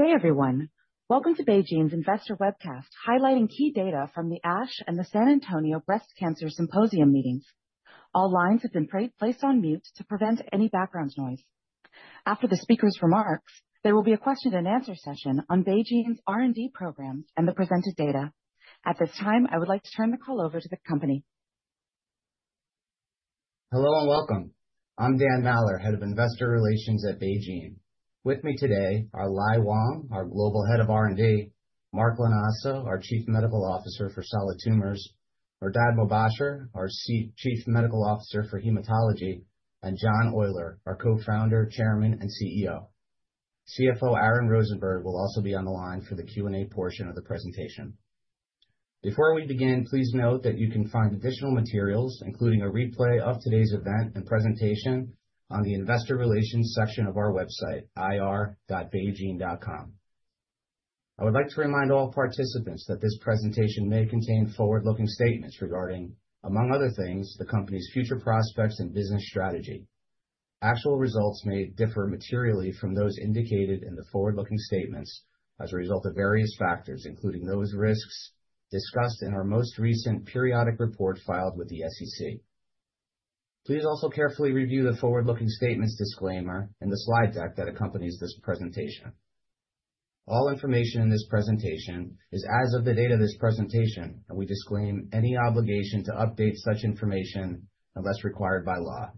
Good day, everyone. Welcome to BeiGene's Investor Webcast, highlighting key data from the ASH and the San Antonio Breast Cancer Symposium meetings. All lines have been placed on mute to prevent any background noise. After the speakers' remarks, there will be a question-and-answer session on BeiGene's R&D programs and the presented data. At this time, I would like to turn the call over to the company. Hello and welcome. I'm Dan Maller, Head of Investor Relations at BeiGene. With me today are Lai Wang, our Global Head of R&D, Mark Lanasa, our Chief Medical Officer for Solid Tumors, Mehrdad Mobasher, our Chief Medical Officer for Hematology, and John Oyler, our Co-Founder, Chairman, and CEO. CFO Aaron Rosenberg will also be on the line for the Q&A portion of the presentation. Before we begin, please note that you can find additional materials, including a replay of today's event and presentation, on the Investor Relations section of our website, ir.beigene.com. I would like to remind all participants that this presentation may contain forward-looking statements regarding, among other things, the company's future prospects and business strategy. Actual results may differ materially from those indicated in the forward-looking statements as a result of various factors, including those risks discussed in our most recent periodic report filed with the SEC. Please also carefully review the forward-looking statements disclaimer in the slide deck that accompanies this presentation. All information in this presentation is as of the date of this presentation, and we disclaim any obligation to update such information unless required by law.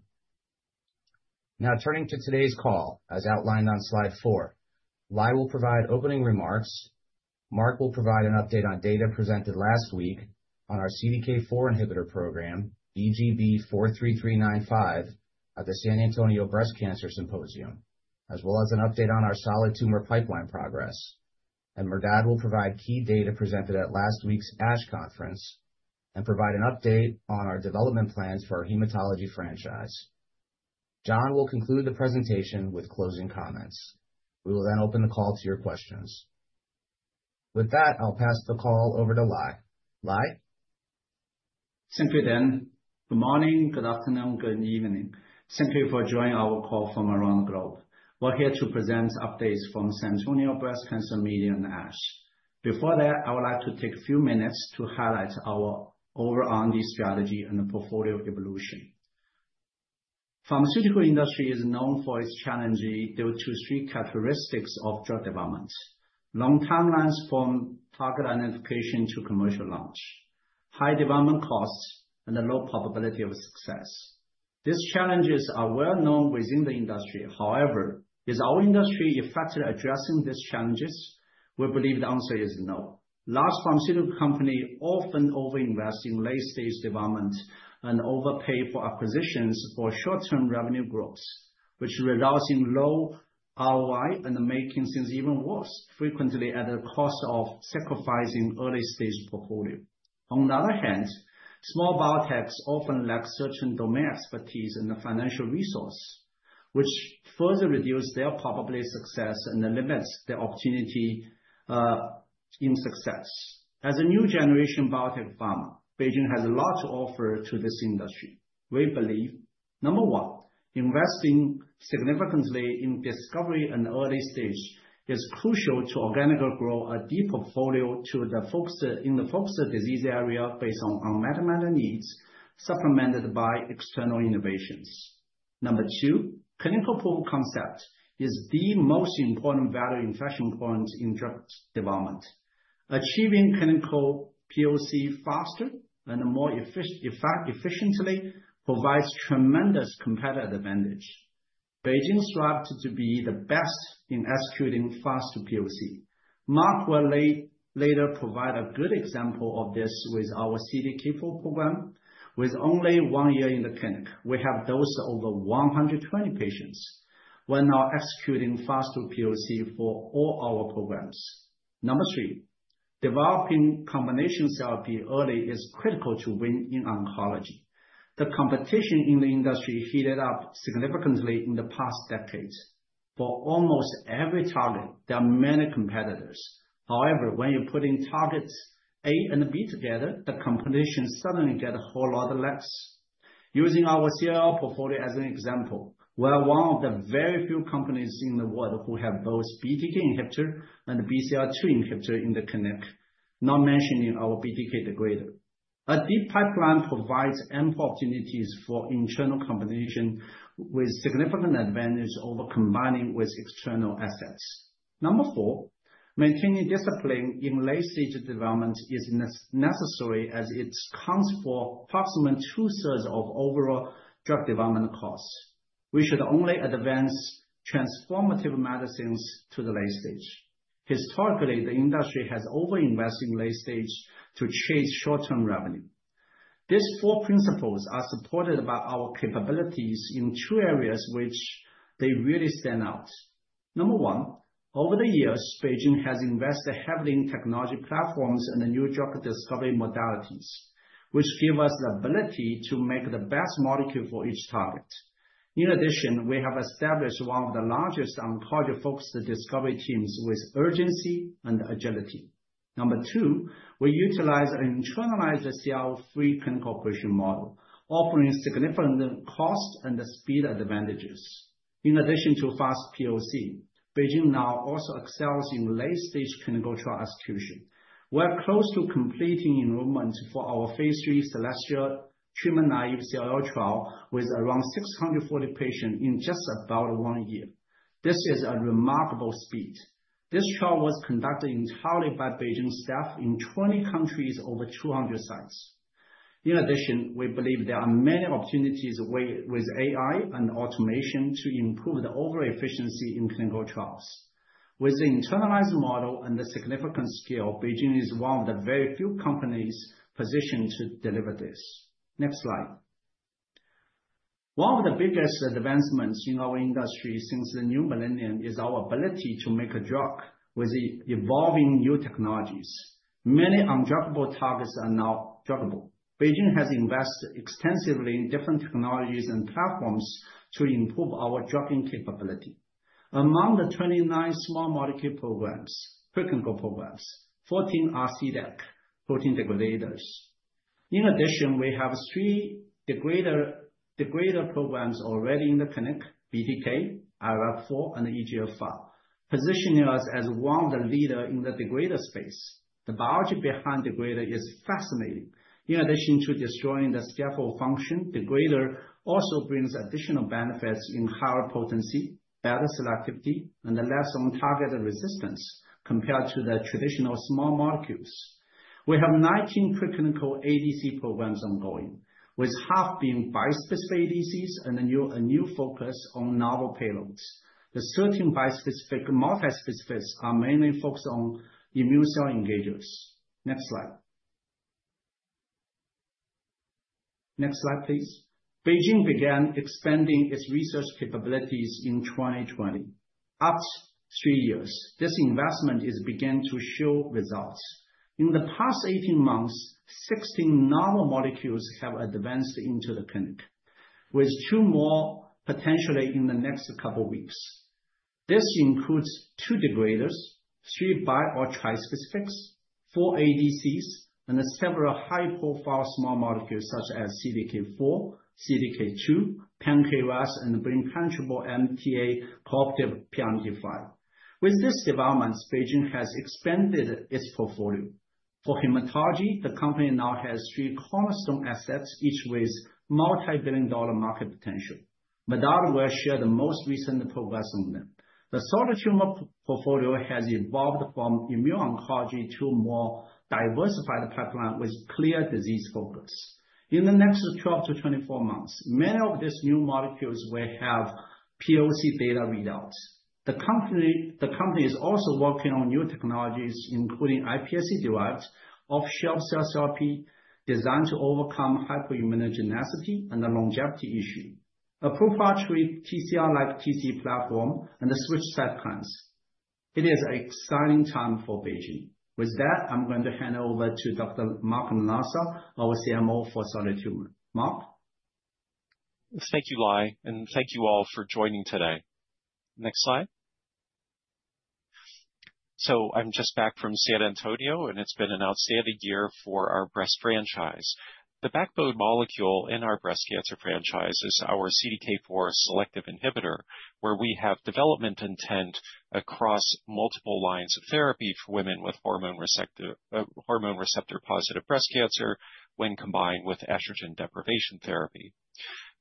Now, turning to today's call, as outlined on Slide 4, Lai will provide opening remarks, Mark will provide an update on data presented last week on our CDK4 inhibitor program, BGB-43395, at the San Antonio Breast Cancer Symposium, as well as an update on our solid tumor pipeline progress, and Mehrdad will provide key data presented at last week's ASH conference and provide an update on our development plans for our hematology franchise. John will conclude the presentation with closing comments. We will then open the call to your questions. With that, I'll pass the call over to Lai. Lai? Thank you, Dan. Good morning, good afternoon, good evening. Thank you for joining our call from around the globe. We're here to present updates from San Antonio Breast Cancer Symposium and ASH. Before that, I would like to take a few minutes to highlight our overall strategy and the portfolio evolution. The pharmaceutical industry is known for its challenges due to three characteristics of drug development: long timelines from target identification to commercial launch, high development costs, and a low probability of success. These challenges are well known within the industry. However, is our industry effectively addressing these challenges? We believe the answer is no. Large pharmaceutical companies often over-invest in late-stage development and overpay for acquisitions for short-term revenue growth, which results in low ROI and making things even worse, frequently at the cost of sacrificing early-stage portfolio. On the other hand, small biotechs often lack certain domain expertise and financial resources, which further reduces their probability of success and limits their opportunity in success. As a new generation biotech pharma, BeiGene has a lot to offer to this industry. We believe, number one, investing significantly in discovery and early stage is crucial to organically grow a deep portfolio in the focused disease area based on our modality needs, supplemented by external innovations. Number two, clinical proof of concept is the most important value inflection point in drug development. Achieving clinical POC faster and more efficiently provides tremendous competitive advantage. BeiGene strives to be the best in executing fast POC. Mark will later provide a good example of this with our CDK4 program. With only one year in the clinic, we have dosed over 120 patients while now executing fast POC for all our programs. Number three, developing combination therapy early is critical to win in oncology. The competition in the industry heated up significantly in the past decade. For almost every target, there are many competitors. However, when you put in targets A and B together, the competition suddenly gets a whole lot less. Using our CLL portfolio as an example, we are one of the very few companies in the world who have both BTK inhibitor and BCL2 inhibitor in the clinic, not mentioning our BTK degrader. A deep pipeline provides ample opportunities for internal competition with significant advantages over combining with external assets. Number four, maintaining discipline in late-stage development is necessary as it accounts for approximately two-thirds of overall drug development costs. We should only advance transformative medicines to the late stage. Historically, the industry has over-invested in late stage to chase short-term revenue. These four principles are supported by our capabilities in two areas which really stand out. Number one, over the years, BeiGene has invested heavily in technology platforms and new drug discovery modalities, which give us the ability to make the best molecule for each target. In addition, we have established one of the largest oncology-focused discovery teams with urgency and agility. Number two, we utilize an internalized CRO-free clinical operation model, offering significant cost and speed advantages. In addition to fast POC, BeiGene now also excels in late-stage clinical trial execution. We are close to completing enrollment for our phase 3 SEQUOIA treatment-naïve CLL trial with around 640 patients in just about one year. This is a remarkable speed. This trial was conducted entirely by BeiGene staff in 20 countries over 200 sites. In addition, we believe there are many opportunities with AI and automation to improve the overall efficiency in clinical trials. With the internalized model and the significant scale, BeiGene is one of the very few companies positioned to deliver this. Next slide. One of the biggest advancements in our industry since the new millennium is our ability to make a drug with evolving new technologies. Many undruggable targets are now druggable. BeiGene has invested extensively in different technologies and platforms to improve our drugging capability. Among the 29 small molecule programs, 14 are CDAC, 14 degraders. In addition, we have three degrader programs already in the clinic: BTK, IRF4, and EGFR, positioning us as one of the leaders in the degrader space. The biology behind degrader is fascinating. In addition to destroying the scaffold function, degrader also brings additional benefits in higher potency, better selectivity, and less on target resistance compared to the traditional small molecules. We have 19 preclinical ADC programs ongoing, with half being bispecific ADCs and a new focus on novel payloads. The 13 bispecific multi-specifics are mainly focused on immune cell engagers. Next slide. Next slide, please. BeiGene began expanding its research capabilities in 2020. After three years, this investment is beginning to show results. In the past 18 months, 16 novel molecules have advanced into the clinic, with two more potentially in the next couple of weeks. This includes two degraders, three bi- or trispecifics, four ADCs, and several high-profile small molecules such as CDK4, CDK2, PRMT5, and brain-penetrant MAT2A cooperative PRMT5. With these developments, BeiGene has expanded its portfolio. For hematology, the company now has three cornerstone assets, each with multi-billion-dollar market potential. Mehrdad will share the most recent progress on them. The solid tumor portfolio has evolved from immune oncology to a more diversified pipeline with clear disease focus. In the next 12 to 24 months, many of these new molecules will have POC data readouts. The company is also working on new technologies, including iPSC-derived off-the-shelf cell therapy designed to overcome hyperimmunogenicity and the longevity issue, a proprietary TCR-like T-cell platform, and the bispecific plans. It is an exciting time for BeiGene. With that, I'm going to hand it over to Dr. Mark Lanasa, our CMO for solid tumor. Mark. Thank you, Lai, and thank you all for joining today. Next slide. So I'm just back from San Antonio, and it's been an outstanding year for our breast franchise. The backbone molecule in our breast cancer franchise is our CDK4 selective inhibitor, where we have development intent across multiple lines of therapy for women with hormone receptor-positive breast cancer when combined with estrogen deprivation therapy.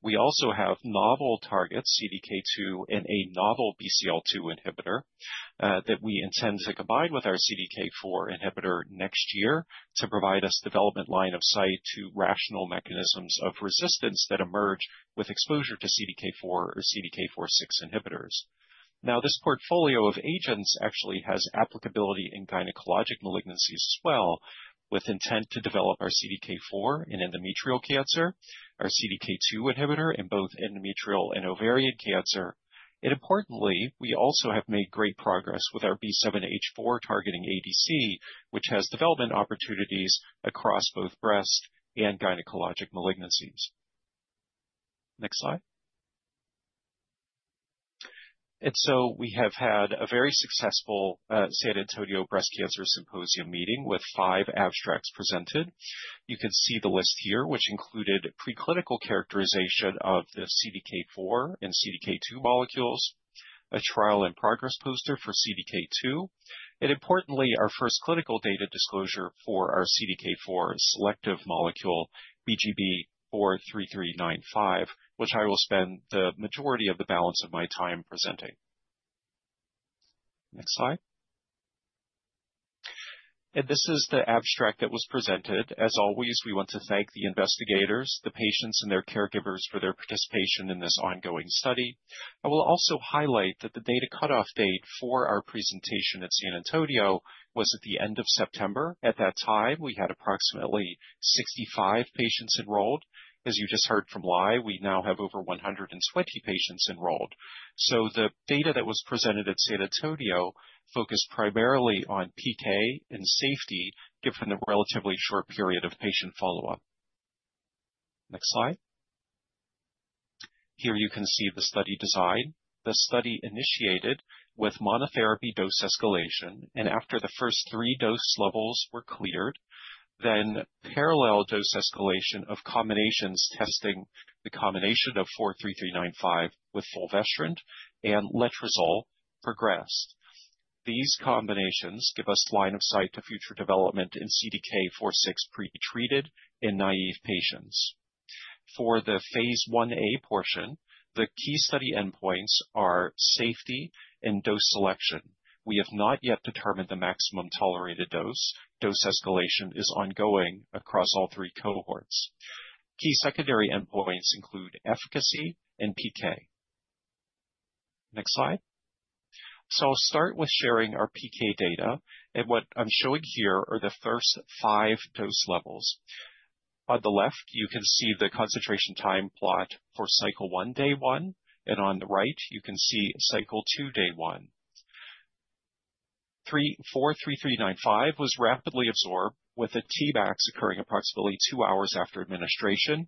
We also have novel targets, CDK2, and a novel BCL2 inhibitor that we intend to combine with our CDK4 inhibitor next year to provide us a development line of sight to rational mechanisms of resistance that emerge with exposure to CDK4 or CDK4/6 inhibitors. Now, this portfolio of agents actually has applicability in gynecologic malignancies as well, with intent to develop our CDK4 in endometrial cancer, our CDK2 inhibitor in both endometrial and ovarian cancer. And importantly, we also have made great progress with our B7-H4 targeting ADC, which has development opportunities across both breast and gynecologic malignancies. Next slide. And so we have had a very successful San Antonio Breast Cancer Symposium meeting with five abstracts presented. You can see the list here, which included preclinical characterization of the CDK4 and CDK2 molecules, a trial and progress poster for CDK2, and importantly, our first clinical data disclosure for our CDK4 selective molecule, BGB-43395, which I will spend the majority of the balance of my time presenting. Next slide. And this is the abstract that was presented. As always, we want to thank the investigators, the patients, and their caregivers for their participation in this ongoing study. I will also highlight that the data cutoff date for our presentation at San Antonio was at the end of September. At that time, we had approximately 65 patients enrolled. As you just heard from Lai, we now have over 120 patients enrolled. So the data that was presented at San Antonio focused primarily on PK and safety given the relatively short period of patient follow-up. Next slide. Here you can see the study design. The study initiated with monotherapy dose escalation, and after the first three dose levels were cleared, then parallel dose escalation of combinations testing the combination of 43395 with fulvestrant and letrozole progressed. These combinations give us line of sight to future development in CDK4/6 pretreated and naive patients. For the phase 1a portion, the key study endpoints are safety and dose selection. We have not yet determined the maximum tolerated dose. Dose escalation is ongoing across all three cohorts. Key secondary endpoints include efficacy and PK. Next slide. I'll start with sharing our PK data, and what I'm showing here are the first five dose levels. On the left, you can see the concentration time plot for cycle one, day one, and on the right, you can see cycle two, day one. BGB-43395 was rapidly absorbed with a Tmax occurring approximately two hours after administration,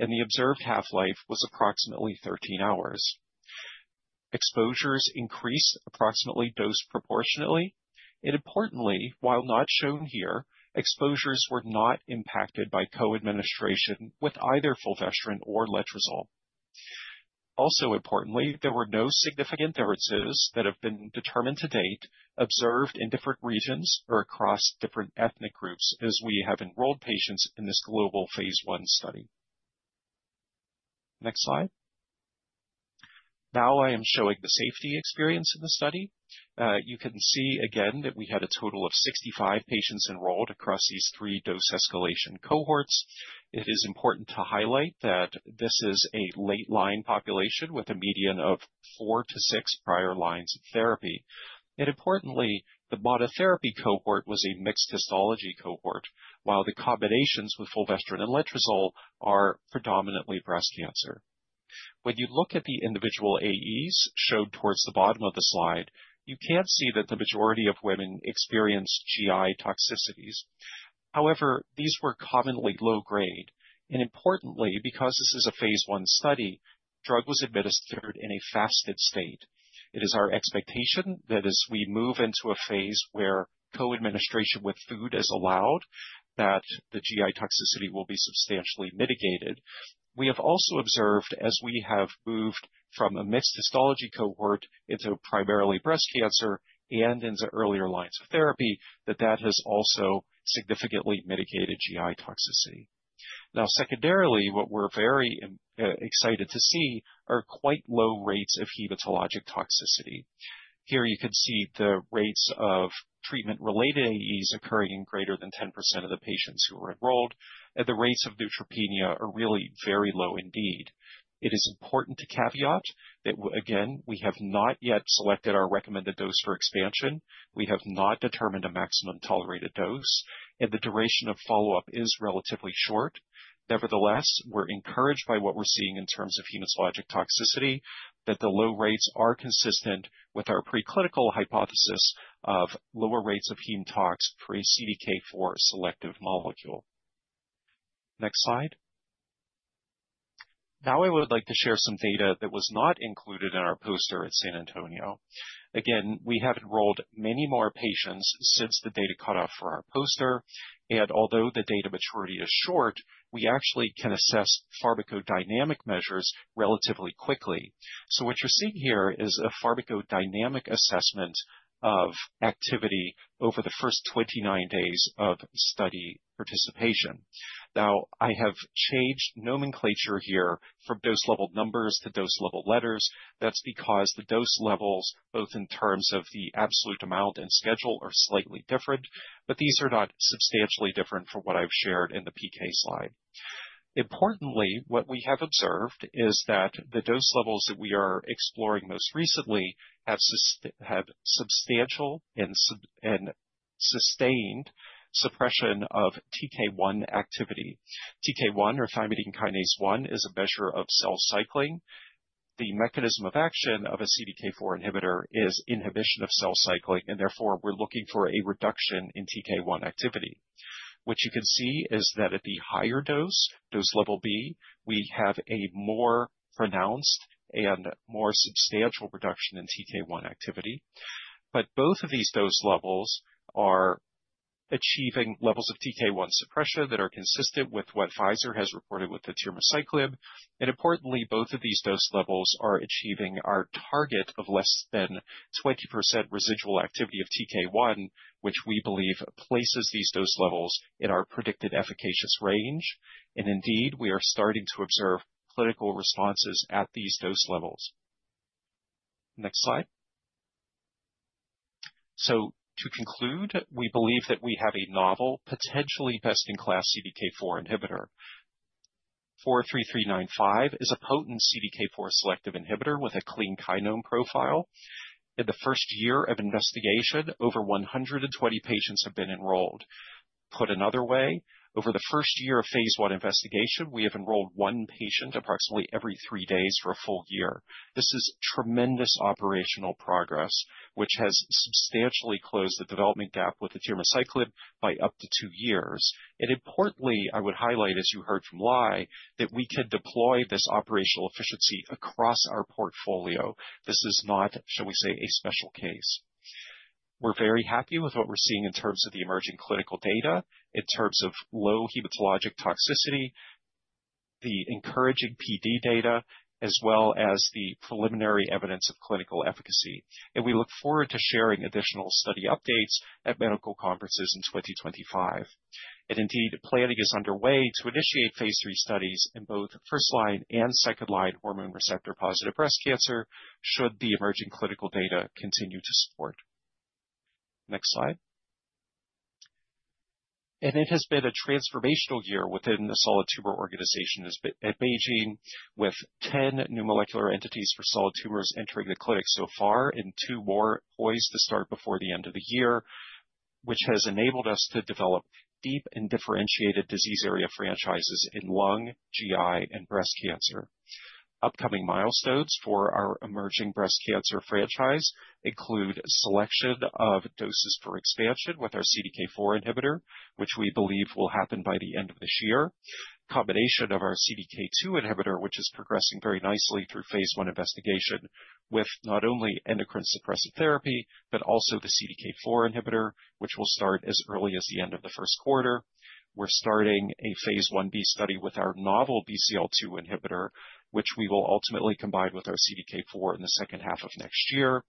and the observed half-life was approximately 13 hours. Exposures increased approximately dose proportionately. And importantly, while not shown here, exposures were not impacted by co-administration with either fulvestrant or letrozole. Also importantly, there were no significant differences that have been determined to date observed in different regions or across different ethnic groups as we have enrolled patients in this global phase one study. Next slide. Now I am showing the safety experience in the study. You can see again that we had a total of 65 patients enrolled across these three dose escalation cohorts. It is important to highlight that this is a late line population with a median of four to six prior lines of therapy. Importantly, the monotherapy cohort was a mixed histology cohort, while the combinations with fulvestrant and letrozole are predominantly breast cancer. When you look at the individual AEs shown towards the bottom of the slide, you can't see that the majority of women experienced GI toxicities. However, these were commonly low grade. Importantly, because this is a phase 1 study, drug was administered in a fasted state. It is our expectation that as we move into a phase where co-administration with food is allowed, that the GI toxicity will be substantially mitigated. We have also observed as we have moved from a mixed histology cohort into primarily breast cancer and into earlier lines of therapy that that has also significantly mitigated GI toxicity. Now, secondarily, what we're very excited to see are quite low rates of hematologic toxicity. Here you can see the rates of treatment-related AEs occurring in greater than 10% of the patients who were enrolled, and the rates of neutropenia are really very low indeed. It is important to caveat that, again, we have not yet selected our recommended dose for expansion. We have not determined a maximum tolerated dose, and the duration of follow-up is relatively short. Nevertheless, we're encouraged by what we're seeing in terms of hematologic toxicity that the low rates are consistent with our preclinical hypothesis of lower rates of heme tox for a CDK4 selective molecule. Next slide. Now I would like to share some data that was not included in our poster at San Antonio. Again, we have enrolled many more patients since the data cutoff for our poster, and although the data maturity is short, we actually can assess pharmacodynamic measures relatively quickly. So what you're seeing here is a pharmacodynamic assessment of activity over the first 29 days of study participation. Now, I have changed nomenclature here from dose level numbers to dose level letters. That's because the dose levels, both in terms of the absolute amount and schedule, are slightly different, but these are not substantially different from what I've shared in the PK slide. Importantly, what we have observed is that the dose levels that we are exploring most recently have substantial and sustained suppression of TK1 activity. TK1, or thymidine kinase 1, is a measure of cell cycling. The mechanism of action of a CDK4 inhibitor is inhibition of cell cycling, and therefore we're looking for a reduction in TK1 activity. What you can see is that at the higher dose, dose level B, we have a more pronounced and more substantial reduction in TK1 activity. But both of these dose levels are achieving levels of TK1 suppression that are consistent with what Pfizer has reported with palbociclib. And importantly, both of these dose levels are achieving our target of less than 20% residual activity of TK1, which we believe places these dose levels in our predicted efficacious range. And indeed, we are starting to observe clinical responses at these dose levels. Next slide. So to conclude, we believe that we have a novel, potentially best-in-class CDK4 inhibitor. BGB-43395 is a potent CDK4 selective inhibitor with a clean kinome profile. In the first year of investigation, over 120 patients have been enrolled. Put another way, over the first year of phase 1 investigation, we have enrolled one patient approximately every three days for a full year. This is tremendous operational progress, which has substantially closed the development gap with the development cycle by up to two years, and importantly, I would highlight, as you heard from Lai, that we can deploy this operational efficiency across our portfolio. This is not, shall we say, a special case. We're very happy with what we're seeing in terms of the emerging clinical data, in terms of low hematologic toxicity, the encouraging PD data, as well as the preliminary evidence of clinical efficacy, and we look forward to sharing additional study updates at medical conferences in 2025. Indeed, planning is underway to initiate phase 3 studies in both first-line and second-line hormone receptor-positive breast cancer should the emerging clinical data continue to support. Next slide. It has been a transformational year within the solid tumor organization at BeiGene, with 10 new molecular entities for solid tumors entering the clinic so far and two more poised to start before the end of the year, which has enabled us to develop deep and differentiated disease area franchises in lung, GI, and breast cancer. Upcoming milestones for our emerging breast cancer franchise include selection of doses for expansion with our CDK4 inhibitor, which we believe will happen by the end of this year, combination of our CDK2 inhibitor, which is progressing very nicely through phase 1 investigation with not only endocrine suppressive therapy, but also the CDK4 inhibitor, which will start as early as the end of the first quarter. We're starting a phase 1b study with our novel BCL2 inhibitor, which we will ultimately combine with our CDK4 in the second half of next year.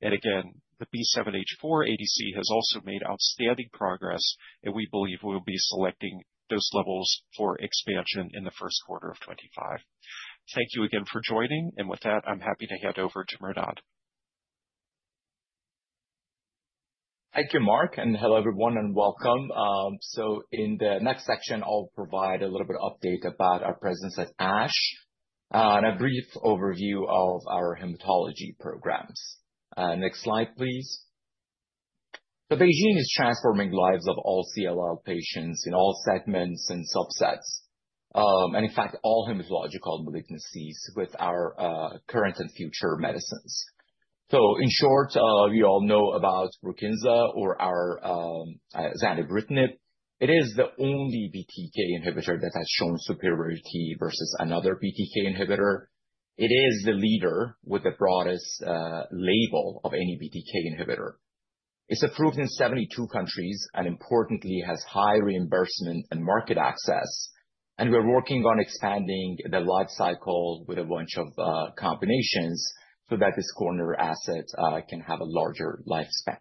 And again, the B7-H4 ADC has also made outstanding progress, and we believe we will be selecting those levels for expansion in the first quarter of 2025. Thank you again for joining, and with that, I'm happy to hand over to Mehrdad. Thank you, Mark, and hello everyone and welcome. So in the next section, I'll provide a little bit of update about our presence at ASH and a brief overview of our hematology programs. Next slide, please. So BeiGene is transforming lives of all CLL patients in all segments and subsets, and in fact, all hematological malignancies with our current and future medicines. So in short, we all know about BRUKINSA or our zanubrutinib. It is the only BTK inhibitor that has shown superiority versus another BTK inhibitor. It is the leader with the broadest label of any BTK inhibitor. It's approved in 72 countries and importantly has high reimbursement and market access. And we're working on expanding the life cycle with a bunch of combinations so that this cornerstone asset can have a larger lifespan.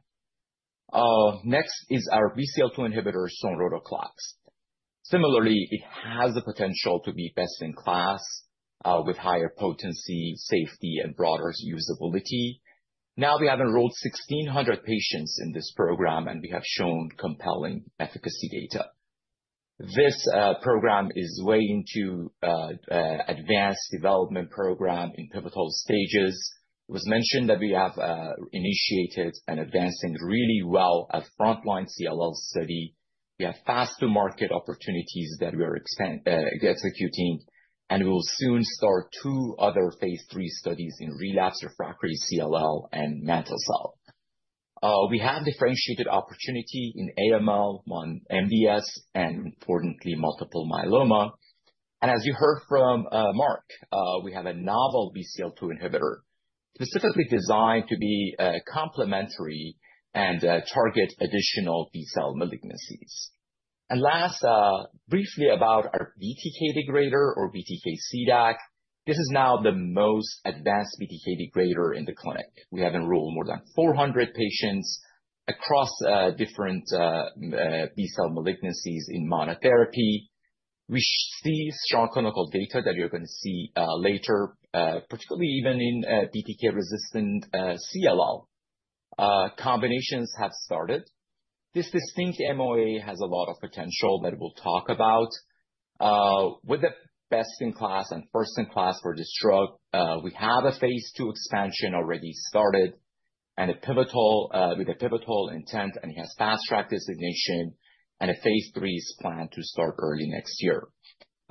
Next is our BCL2 inhibitor, sonrotoclax. Similarly, it has the potential to be best in class with higher potency, safety, and broader usability. Now we have enrolled 1,600 patients in this program, and we have shown compelling efficacy data. This program is way into an advanced development program in pivotal stages. It was mentioned that we have initiated and advancing really well a frontline CLL study. We have fast-to-market opportunities that we are executing, and we will soon start two other phase three studies in relapse refractory CLL and mantle cell. We have differentiated opportunity in AML, MDS, and importantly, multiple myeloma. And as you heard from Mark, we have a novel BCL2 inhibitor specifically designed to be complementary and target additional B-cell malignancies. And last, briefly about our BTK degrader or BTK-CDAC. This is now the most advanced BTK degrader in the clinic. We have enrolled more than 400 patients across different B-cell malignancies in monotherapy. We see strong clinical data that you're going to see later, particularly even in BTK-resistant CLL. Combinations have started. This distinct MOA has a lot of potential that we'll talk about. With the best in class and first in class for this drug, we have a phase 2 expansion already started and a pivotal with a pivotal intent, and it has Fast Track designation, and a phase 3 is planned to start early next year.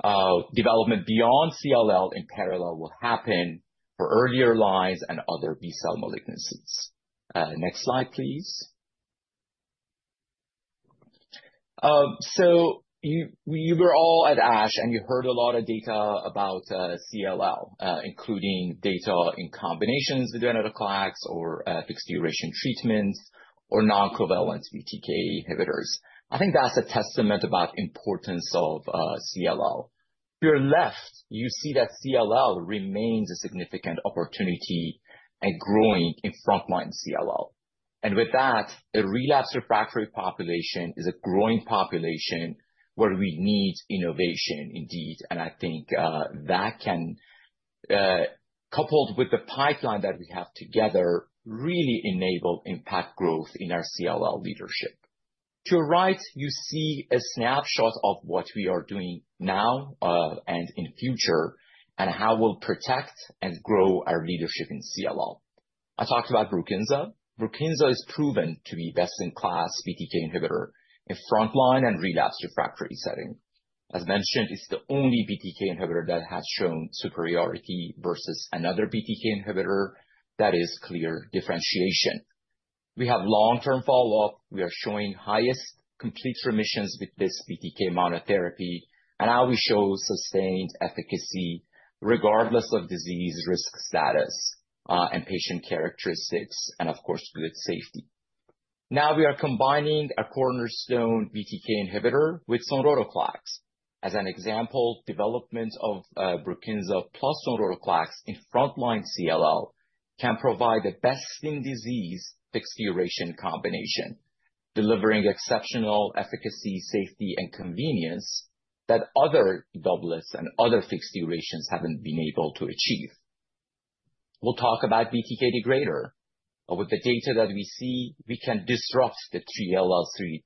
Development beyond CLL in parallel will happen for earlier lines and other B-cell malignancies. Next slide, please. So you were all at ASH, and you heard a lot of data about CLL, including data in combinations with venetoclax or fixed duration treatments or non-covalent BTK inhibitors. I think that's a testament about the importance of CLL. To your left, you see that CLL remains a significant opportunity and growing in frontline CLL, and with that, a relapse refractory population is a growing population where we need innovation indeed, and I think that can, coupled with the pipeline that we have together, really enable impact growth in our CLL leadership. To your right, you see a snapshot of what we are doing now and in the future and how we'll protect and grow our leadership in CLL. I talked about BRUKINSA. BRUKINSA is proven to be best-in-class BTK inhibitor in frontline and relapse refractory setting. As mentioned, it's the only BTK inhibitor that has shown superiority versus another BTK inhibitor. That is clear differentiation. We have long-term follow-up. We are showing highest complete remissions with this BTK monotherapy, and now we show sustained efficacy regardless of disease risk status and patient characteristics, and of course, good safety. Now we are combining a cornerstone BTK inhibitor with sonrotoclax. As an example, development of BRUKINSA plus sonrotoclax in frontline CLL can provide the best-in-disease fixed duration combination, delivering exceptional efficacy, safety, and convenience that other doublets and other fixed durations haven't been able to achieve. We'll talk about BTK degrader. With the data that we see, we can disrupt the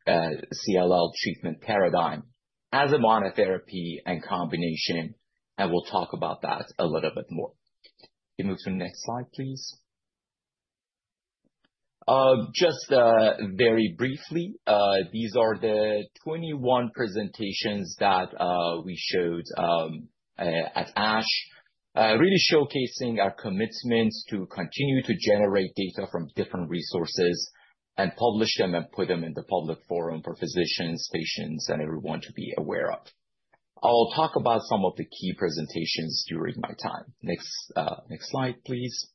CLL treatment paradigm as a monotherapy and combination, and we'll talk about that a little bit more. Can we move to the next slide, please? Just very briefly, these are the 21 presentations that we showed at ASH, really showcasing our commitments to continue to generate data from different resources and publish them and put them in the public forum for physicians, patients, and everyone to be aware of. I'll talk about some of the key presentations during my time. Next slide, please.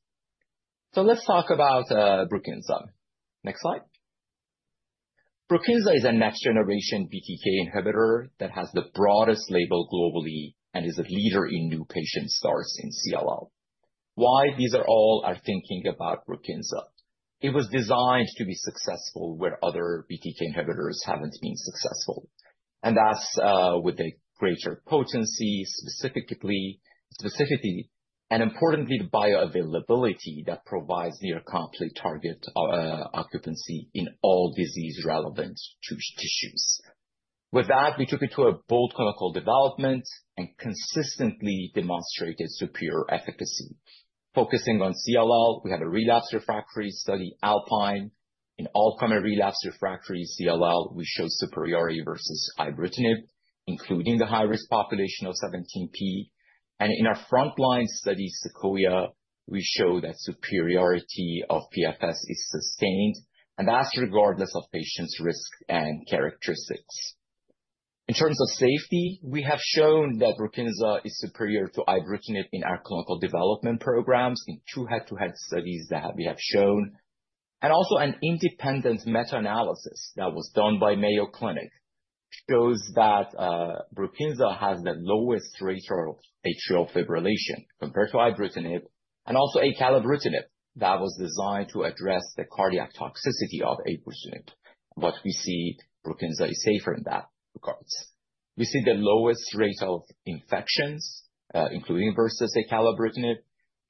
Let's talk about BRUKINSA. Next slide. BRUKINSA is a next-generation BTK inhibitor that has the broadest label globally and is a leader in new patient starts in CLL. Why? These are all thinking about BRUKINSA. It was designed to be successful where other BTK inhibitors haven't been successful. That's with a greater potency, specifically, and importantly, the bioavailability that provides near-complete target occupancy in all disease-relevant tissues. With that, we took it to a bold clinical development and consistently demonstrated superior efficacy. Focusing on CLL, we have a relapse refractory study, ALPINE. In all common relapse refractory CLL, we show superiority versus ibrutinib, including the high-risk population of 17p. In our frontline study, SEQUOIA, we show that superiority of PFS is sustained, and that's regardless of patients' risk and characteristics. In terms of safety, we have shown that BRUKINSA is superior to ibrutinib in our clinical development programs in two head-to-head studies that we have shown, and also, an independent meta-analysis that was done by Mayo Clinic shows that BRUKINSA has the lowest rate of atrial fibrillation compared to ibrutinib and also acalabrutinib that was designed to address the cardiac toxicity of ibrutinib, but we see BRUKINSA is safer in that regard. We see the lowest rate of infections, including versus acalabrutinib,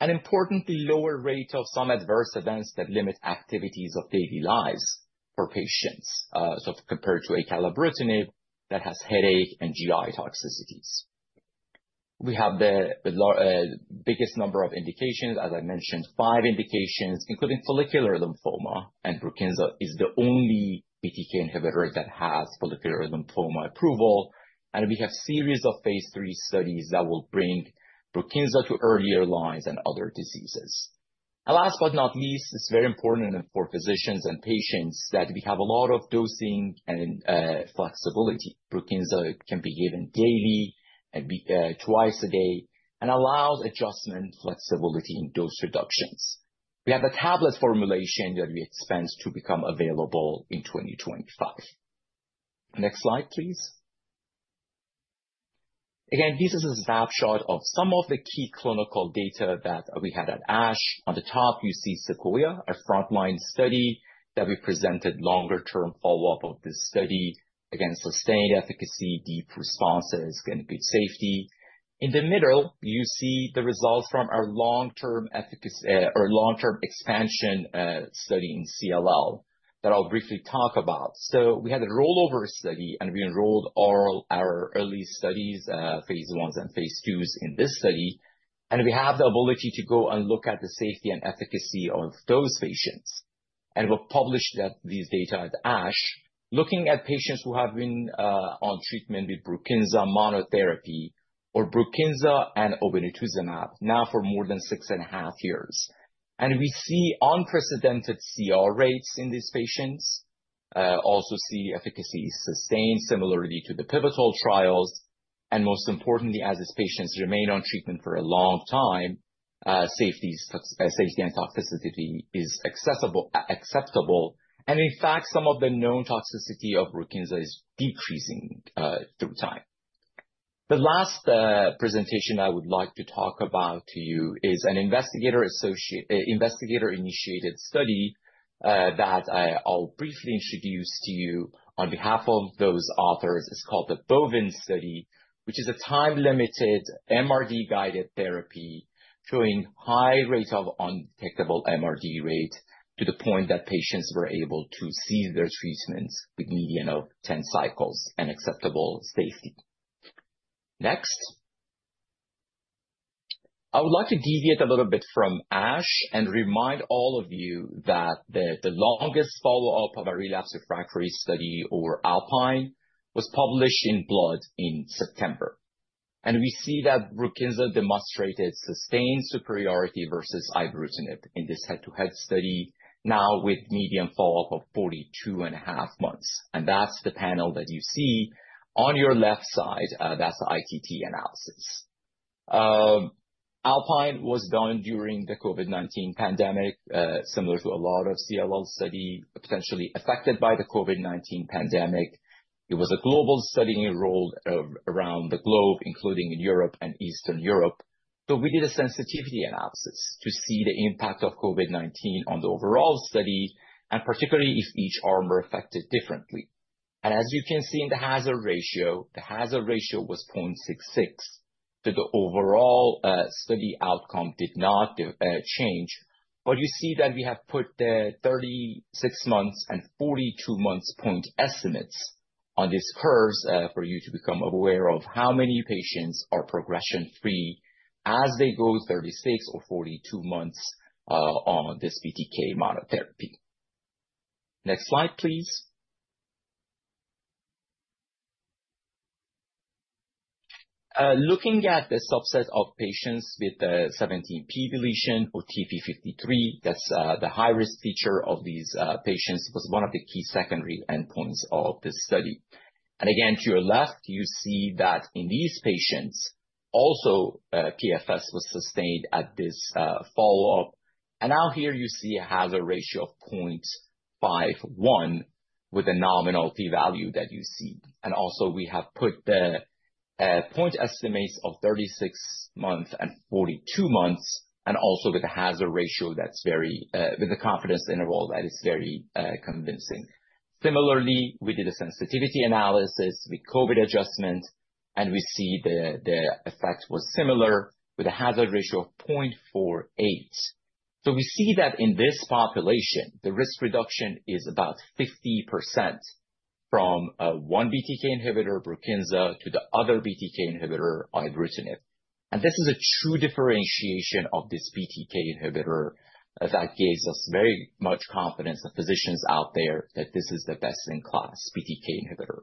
and importantly, lower rate of some adverse events that limit activities of daily living for patients, so compared to acalabrutinib, that has headache and GI toxicities. We have the biggest number of indications, as I mentioned, five indications, including follicular lymphoma, and BRUKINSA is the only BTK inhibitor that has follicular lymphoma approval. We have a series of phase 3 studies that will bring BRUKINSA to earlier lines and other diseases. Last but not least, it's very important for physicians and patients that we have a lot of dosing and flexibility. BRUKINSA can be given daily and twice a day and allows adjustment, flexibility, and dose reductions. We have a tablet formulation that we expect to become available in 2025. Next slide, please. Again, this is a snapshot of some of the key clinical data that we had at ASH. On the top, you see SEQUOIA, our frontline study that we presented longer-term follow-up of this study against sustained efficacy, deep responses, and good safety. In the middle, you see the results from our long-term expansion study in CLL that I'll briefly talk about. We had a rollover study, and we enrolled all our early studies, phase ones and phase twos in this study. And we have the ability to go and look at the safety and efficacy of those patients. And we've published these data at ASH, looking at patients who have been on treatment with BRUKINSA monotherapy or BRUKINSA and obinutuzumab now for more than six and a half years. And we see unprecedented CR rates in these patients. Also see efficacy sustained similarity to the pivotal trials. And most importantly, as these patients remain on treatment for a long time, safety and toxicity is acceptable. And in fact, some of the known toxicity of BRUKINSA is decreasing through time. The last presentation I would like to talk about to you is an investigator-initiated study that I'll briefly introduce to you on behalf of those authors. It's called the BOVEN Study, which is a time-limited MRD-guided therapy showing high rate of undetectable MRD rate to the point that patients were able to cease their treatments with a median of 10 cycles and acceptable safety. Next, I would like to deviate a little bit from ASH and remind all of you that the longest follow-up of a relapsed/refractory study, the ALPINE, was published in Blood in September. We see that BRUKINSA demonstrated sustained superiority versus ibrutinib in this head-to-head study now with median follow-up of 42 and a half months. That's the panel that you see on your left side. That's the ITT analysis. ALPINE was done during the COVID-19 pandemic, similar to a lot of CLL studies potentially affected by the COVID-19 pandemic. It was a global study enrolled around the globe, including in Europe and Eastern Europe. We did a sensitivity analysis to see the impact of COVID-19 on the overall study, and particularly if each arm were affected differently. As you can see in the hazard ratio, the hazard ratio was 0.66. The overall study outcome did not change. You see that we have put the 36 months and 42 months point estimates on these curves for you to become aware of how many patients are progression-free as they go 36 or 42 months on this BTK monotherapy. Next slide, please. Looking at the subset of patients with the 17p deletion or TP53, that's the high-risk feature of these patients was one of the key secondary endpoints of this study. Again, to your left, you see that in these patients, also PFS was sustained at this follow-up. Now here you see a hazard ratio of 0.51 with a nominal T-value that you see. Also, we have put the point estimates of 36 months and 42 months, and also with a hazard ratio that's very with the confidence interval that is very convincing. Similarly, we did a sensitivity analysis with COVID adjustment, and we see the effect was similar with a hazard ratio of 0.48. We see that in this population, the risk reduction is about 50% from one BTK inhibitor, BRUKINSA, to the other BTK inhibitor, ibrutinib. This is a true differentiation of this BTK inhibitor that gives us very much confidence that physicians out there that this is the best-in-class BTK inhibitor.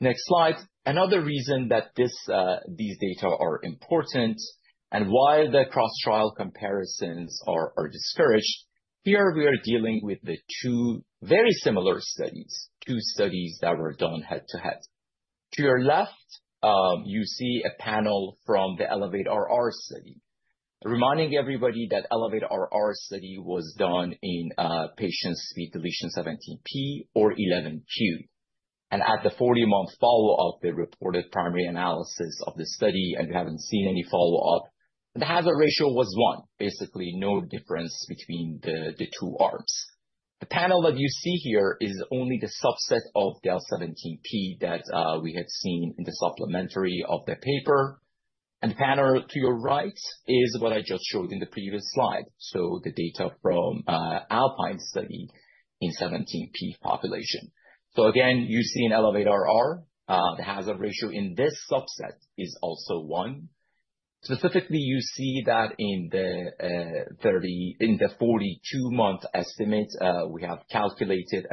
Next slide. Another reason that these data are important and why the cross-trial comparisons are discouraged. Here we are dealing with the two very similar studies, two studies that were done head-to-head. To your left, you see a panel from the ELEVATE-RR study, reminding everybody that ELEVATE-RR study was done in patients with deletion 17p or 11q. And at the 40-month follow-up, they reported primary analysis of the study, and we haven't seen any follow-up. The hazard ratio was one, basically no difference between the two arms. The panel that you see here is only the subset of del 17p that we had seen in the supplementary of the paper. And the panel to your right is what I just showed in the previous slide. So the data from ALPINE study in 17p population. So again, you see in ELEVATE-RR, the hazard ratio in this subset is also one. Specifically, you see that in the 42-month estimate we have calculated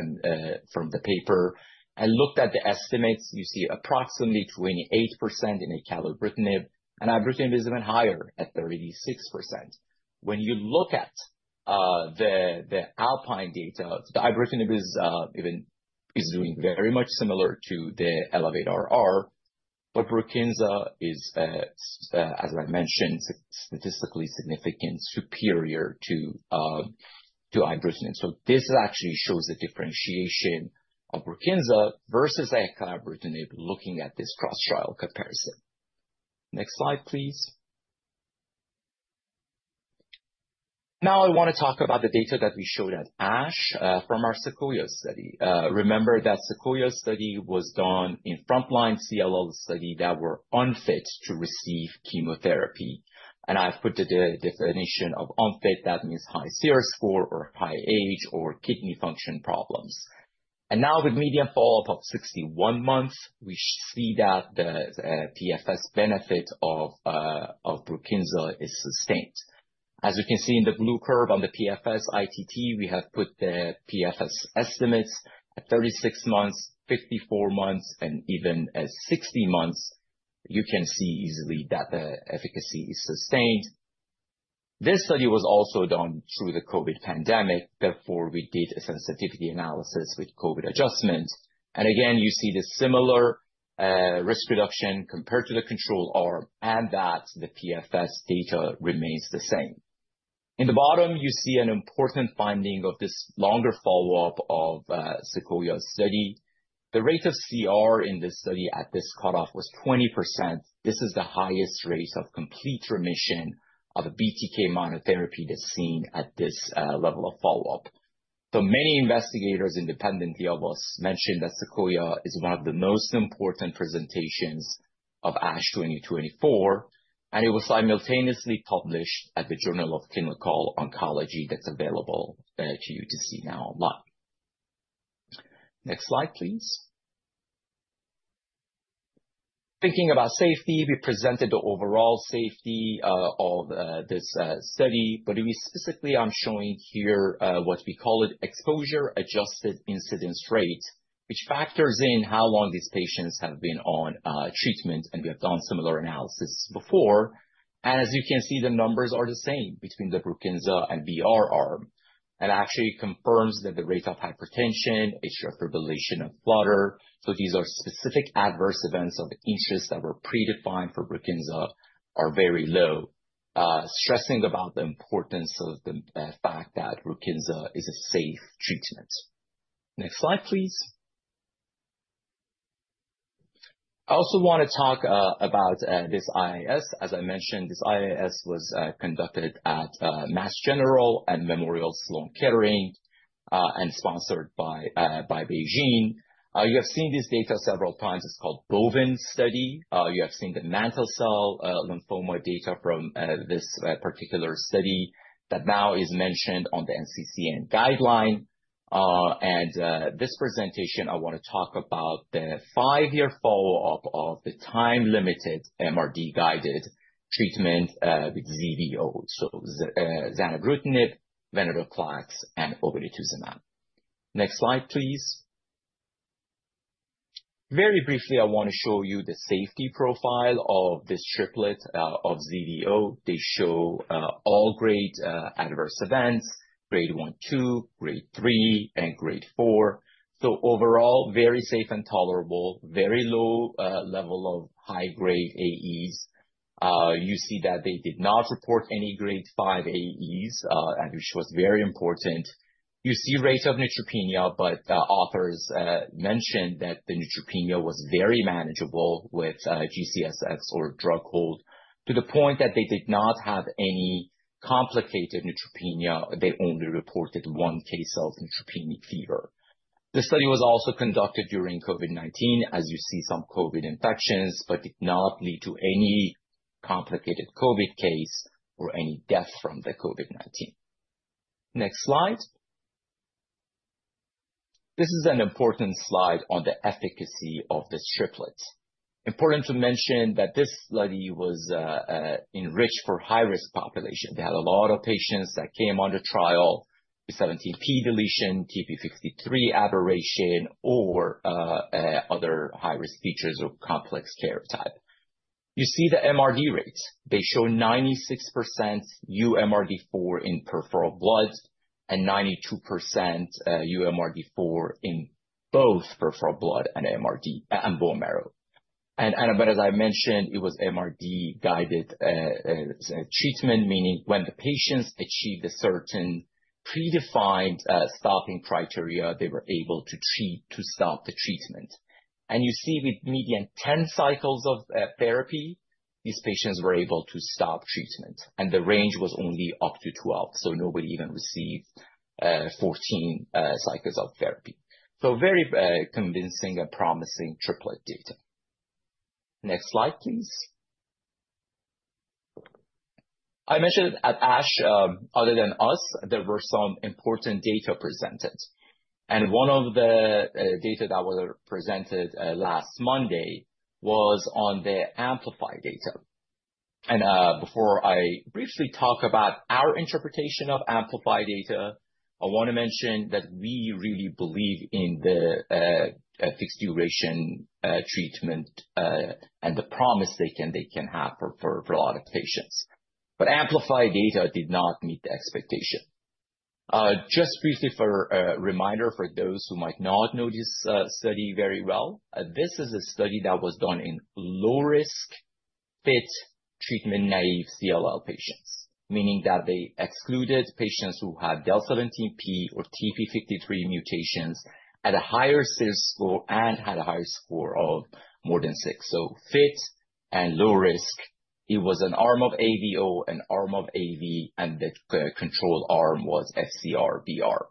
from the paper. I looked at the estimates. You see approximately 28% in acalabrutinib, and ibrutinib is even higher at 36%. When you look at the ALPINE data, the ibrutinib is even doing very much similar to the ELEVATE-RR, but BRUKINSA is, as I mentioned, statistically significant superior to ibrutinib. So this actually shows the differentiation of BRUKINSA versus acalabrutinib looking at this cross-trial comparison. Next slide, please. Now I want to talk about the data that we showed at ASH from our SEQUOIA study. Remember that SEQUOIA study was done in frontline CLL study that were unfit to receive chemotherapy, and I've put the definition of unfit. That means high CIRS score or high age or kidney function problems, and now with median follow-up of 61 months, we see that the PFS benefit of BRUKINSA is sustained. As you can see in the blue curve on the PFS ITT, we have put the PFS estimates at 36 months, 54 months, and even at 60 months. You can see easily that the efficacy is sustained. This study was also done through the COVID pandemic. Therefore, we did a sensitivity analysis with COVID adjustment, and again, you see the similar risk reduction compared to the control arm and that the PFS data remains the same. In the bottom, you see an important finding of this longer follow-up of SEQUOIA study. The rate of CR in this study at this cutoff was 20%. This is the highest rate of complete remission of a BTK monotherapy that's seen at this level of follow-up. So many investigators, independently of us, mentioned that SEQUOIA is one of the most important presentations of ASH 2024, and it was simultaneously published at the Journal of Clinical Oncology that's available to you to see now online. Next slide, please. Thinking about safety, we presented the overall safety of this study, but we specifically are showing here what we call an exposure-adjusted incidence rate, which factors in how long these patients have been on treatment, and we have done similar analysis before. And as you can see, the numbers are the same between the BRUKINSA and BR arm. And actually confirms that the rate of hypertension, atrial fibrillation, and flutter, so these are specific adverse events of interest that were predefined for BRUKINSA, are very low, stressing about the importance of the fact that BRUKINSA is a safe treatment. Next slide, please. I also want to talk about this IIS. As I mentioned, this IIS was conducted at Massachusetts General Hospital and Memorial Sloan Kettering and sponsored by BeiGene. You have seen this data several times. It's called BOVEN study. You have seen the mantle cell lymphoma data from this particular study that now is mentioned on the NCCN guideline. And this presentation, I want to talk about the five-year follow-up of the time-limited MRD-guided treatment with ZVO, so zanubrutinib, venetoclax, and obinutuzumab. Next slide, please. Very briefly, I want to show you the safety profile of this triplet of ZVO. They show all grade adverse events, Grade 1, 2, Grade 3, and Grade 4. So overall, very safe and tolerable, very low level of high-grade AEs. You see that they did not report any Grade 5 AEs, which was very important. You see rate of neutropenia, but authors mentioned that the neutropenia was very manageable with G-CSF or drug hold to the point that they did not have any complicated neutropenia. They only reported one case of neutropenic fever. The study was also conducted during COVID-19, as you see some COVID infections, but did not lead to any complicated COVID case or any death from the COVID-19. Next slide. This is an important slide on the efficacy of this triplet. Important to mention that this study was enriched for high-risk population. They had a lot of patients that came under trial with 17p deletion, TP53 aberration, or other high-risk features of complex karyotype. You see the MRD rates. They show 96% uMRD4 in peripheral blood and 92% uMRD4 in both peripheral blood and bone marrow. But as I mentioned, it was MRD-guided treatment, meaning when the patients achieved a certain predefined stopping criteria, they were able to stop the treatment. You see with median 10 cycles of therapy, these patients were able to stop treatment. The range was only up to 12. Nobody even received 14 cycles of therapy. Very convincing and promising triplet data. Next slide, please. I mentioned at ASH, other than us, there were some important data presented. One of the data that was presented last Monday was on the AMPLIFY data. Before I briefly talk about our interpretation of AMPLIFY data, I want to mention that we really believe in the fixed duration treatment and the promise they can have for a lot of patients. AMPLIFY data did not meet the expectation. Just briefly for a reminder for those who might not know this study very well, this is a study that was done in low-risk fit treatment-naive CLL patients, meaning that they excluded patients who had del 17p or TP53 mutations at a higher serious score and had a higher score of more than six. Fit and low risk, it was an arm of AVO, an arm of AV, and the control arm was FCR/BR.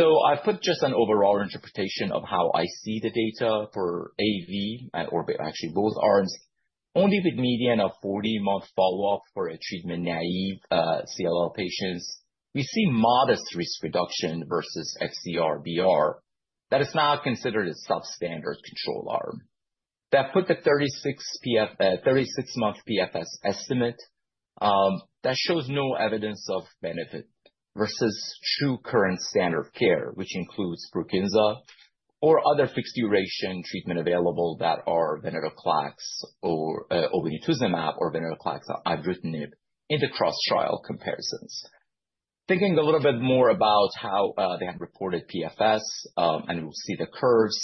I've put just an overall interpretation of how I see the data for AV and or actually both arms. Only with median of 40-month follow-up for a treatment-naive CLL patients, we see modest risk reduction versus FCR/BR that is now considered a substandard control arm. That put the 36-month PFS estimate that shows no evidence of benefit versus true current standard of care, which includes BRUKINSA or other fixed duration treatment available that are venetoclax or obinutuzumab or venetoclax or ibrutinib in the cross-trial comparisons. Thinking a little bit more about how they have reported PFS, and we'll see the curves,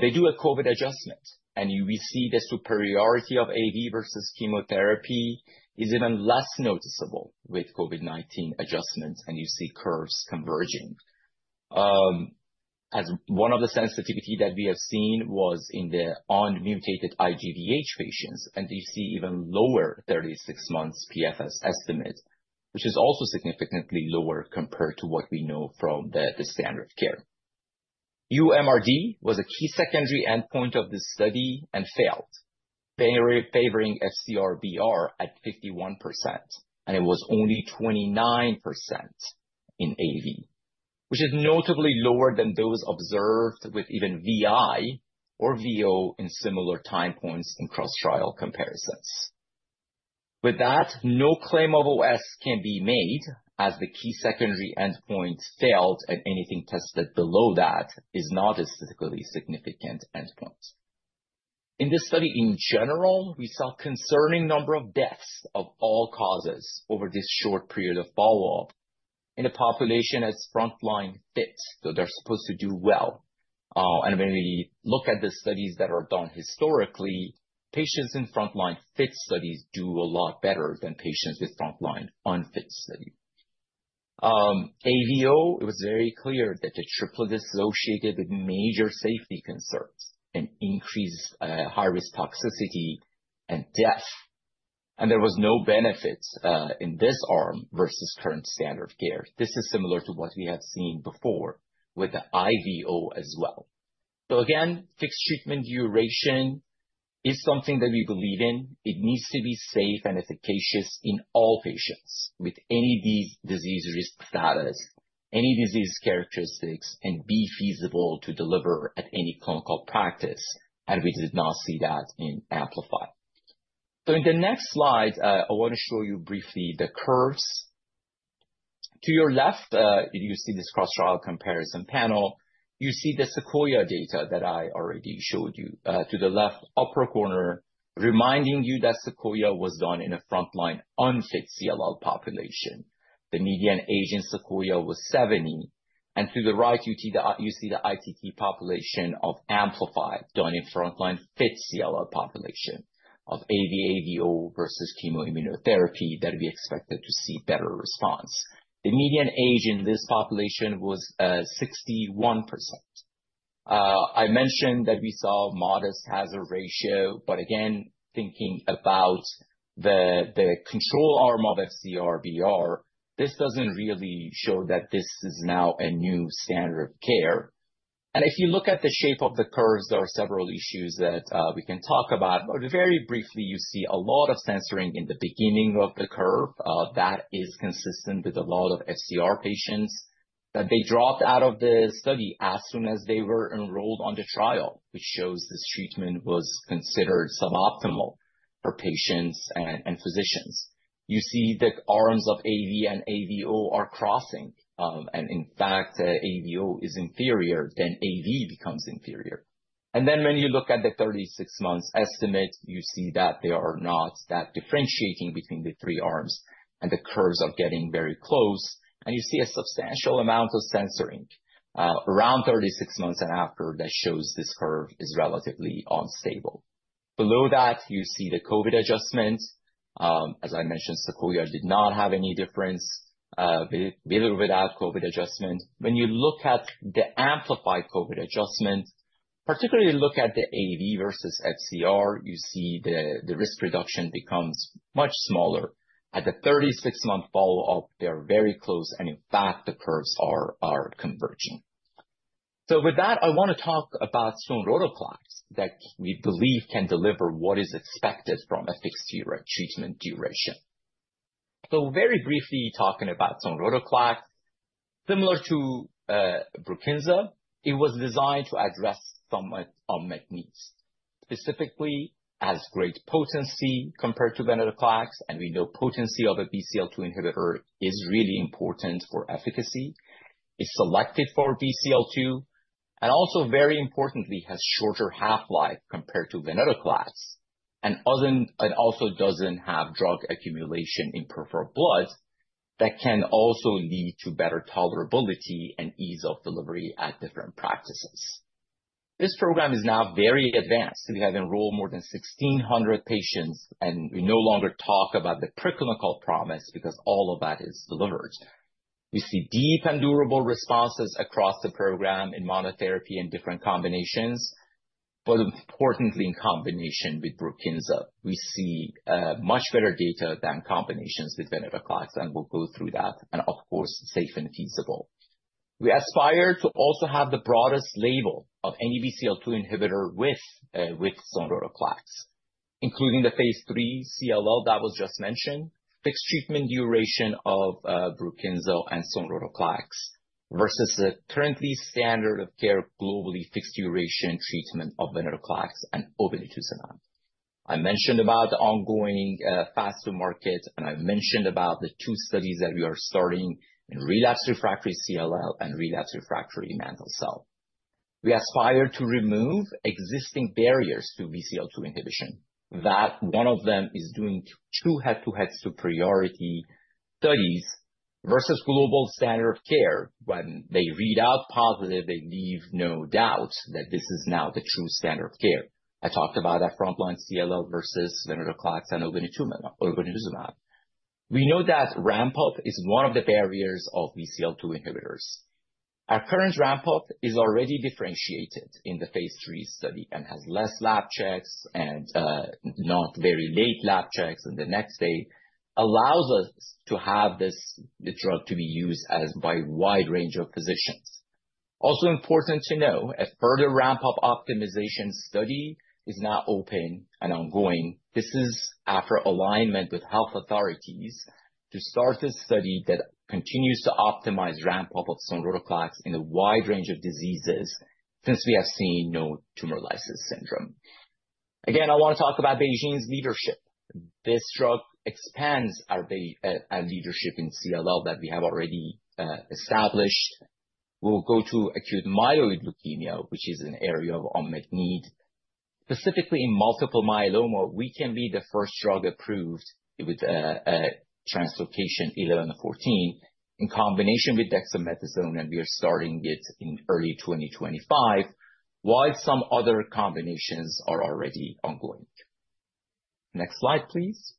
they do a COVID adjustment, and we see the superiority of AV versus chemotherapy is even less noticeable with COVID-19 adjustments, and you see curves converging. As one of the sensitivity that we have seen was in the unmutated IGHV patients, and you see even lower 36-month PFS estimate, which is also significantly lower compared to what we know from the standard of care. uMRD was a key secondary endpoint of this study and failed, favoring FCR/BR at 51%, and it was only 29% in AV, which is notably lower than those observed with even VI or VO in similar time points in cross-trial comparisons. With that, no claim of OS can be made as the key secondary endpoint failed and anything tested below that is not a statistically significant endpoint. In this study in general, we saw a concerning number of deaths of all causes over this short period of follow-up in a population as frontline fit, so they're supposed to do well. And when we look at the studies that are done historically, patients in frontline fit studies do a lot better than patients with frontline unfit study. AVO, it was very clear that the triplet associated with major safety concerns and increased high-risk toxicity and death. There was no benefit in this arm versus current standard of care. This is similar to what we have seen before with the IVO as well. Again, fixed treatment duration is something that we believe in. It needs to be safe and efficacious in all patients with any disease risk status, any disease characteristics, and be feasible to deliver at any clinical practice. We did not see that in AMPLIFY. In the next slide, I want to show you briefly the curves. To your left, you see this cross-trial comparison panel. You see the Sequoia data that I already showed you. To the left upper corner, reminding you that Sequoia was done in a frontline unfit CLL population. The median age in Sequoia was 70. To the right, you see the ITT population of AMPLIFY done in frontline fit CLL population of AV, AVO versus chemoimmunotherapy that we expected to see better response. The median age in this population was 61. I mentioned that we saw modest hazard ratio, but again, thinking about the control arm of FCR, this doesn't really show that this is now a new standard of care. If you look at the shape of the curves, there are several issues that we can talk about. But very briefly, you see a lot of censoring in the beginning of the curve that is consistent with a lot of FCR patients that they dropped out of the study as soon as they were enrolled on the trial, which shows this treatment was considered suboptimal for patients and physicians. You see the arms of AV and AVO are crossing. In fact, AVO is inferior, then AV becomes inferior, and then when you look at the 36-month estimate, you see that they are not that differentiating between the three arms, and the curves are getting very close, and you see a substantial amount of censoring around 36 months and after that shows this curve is relatively unstable. Below that, you see the COVID adjustment. As I mentioned, Sequoia did not have any difference with or without COVID adjustment. When you look at the AMPLIFY COVID adjustment, particularly, look at the AV versus FCR, you see the risk reduction becomes much smaller. At the 36-month follow-up, they're very close, and in fact, the curves are converging, so with that, I want to talk about sonrotoclax that we believe can deliver what is expected from a fixed treatment duration. So very briefly talking about sonrotoclax, similar to BRUKINSA, it was designed to address some unmet needs, specifically as great potency compared to venetoclax. And we know potency of a BCL2 inhibitor is really important for efficacy. It's selected for BCL2, and also very importantly, has shorter half-life compared to venetoclax. And it also doesn't have drug accumulation in peripheral blood that can also lead to better tolerability and ease of delivery at different practices. This program is now very advanced. We have enrolled more than 1,600 patients, and we no longer talk about the pre-clinical promise because all of that is delivered. We see deep and durable responses across the program in monotherapy and different combinations, but importantly, in combination with BRUKINSA, we see much better data than combinations with venetoclax. And we'll go through that, and of course, safe and feasible. We aspire to also have the broadest label of any BCL2 inhibitor with sonrotoclax, including the phase 3 CLL that was just mentioned, fixed treatment duration of BRUKINSA and sonrotoclax versus the currently standard of care globally fixed duration treatment of venetoclax and obinutuzumab. I mentioned about the ongoing fast-to-market, and I mentioned about the two studies that we are starting in relapse refractory CLL and relapse refractory mantle cell. We aspire to remove existing barriers to BCL2 inhibition. One of them is doing two head-to-head superiority studies versus global standard of care. When they read out positive, they leave no doubt that this is now the true standard of care. I talked about that frontline CLL versus venetoclax and obinutuzumab. We know that ramp-up is one of the barriers of BCL2 inhibitors. Our current ramp-up is already differentiated in the phase 3 study and has less lab checks and not very late lab checks. And the next day allows us to have this drug to be used by a wide range of physicians. Also important to know, a further ramp-up optimization study is now open and ongoing. This is after alignment with health authorities to start a study that continues to optimize ramp-up of sonrotoclax in a wide range of diseases since we have seen no tumor lysis syndrome. Again, I want to talk about BeiGene's leadership. This drug expands our leadership in CLL that we have already established. We'll go to acute myeloid leukemia, which is an area of unmet need. Specifically in multiple myeloma, we can be the first drug approved with translocation 11-14 in combination with dexamethasone, and we are starting it in early 2025, while some other combinations are already ongoing. Next slide, please.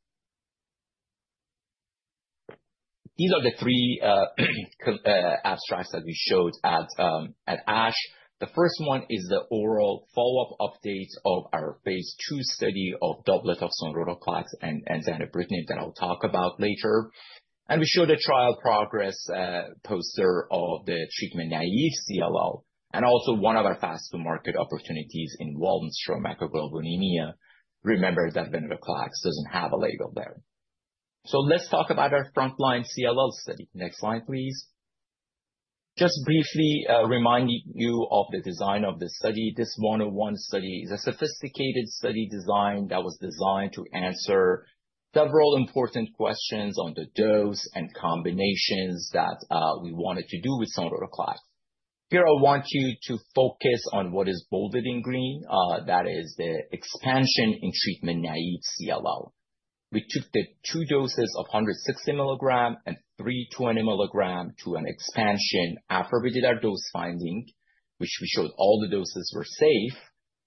These are the three abstracts that we showed at ASH. The first one is the oral follow-up update of our phase 2 study of doublet of sonrotoclax and zanubrutinib that I'll talk about later. And we showed a trial progress poster of the treatment-naive CLL and also one of our fast-to-market opportunities in Waldenström's macroglobulinemia. Remember that venetoclax doesn't have a label there. So let's talk about our frontline CLL study. Next slide, please. Just briefly reminding you of the design of this study. This one-on-one study is a sophisticated study design that was designed to answer several important questions on the dose and combinations that we wanted to do with sonrotoclax. Here, I want you to focus on what is bolded in green. That is the expansion in treatment-naive CLL. We took the two doses of 160 milligrams and 320 milligrams to an expansion after we did our dose finding, which we showed all the doses were safe.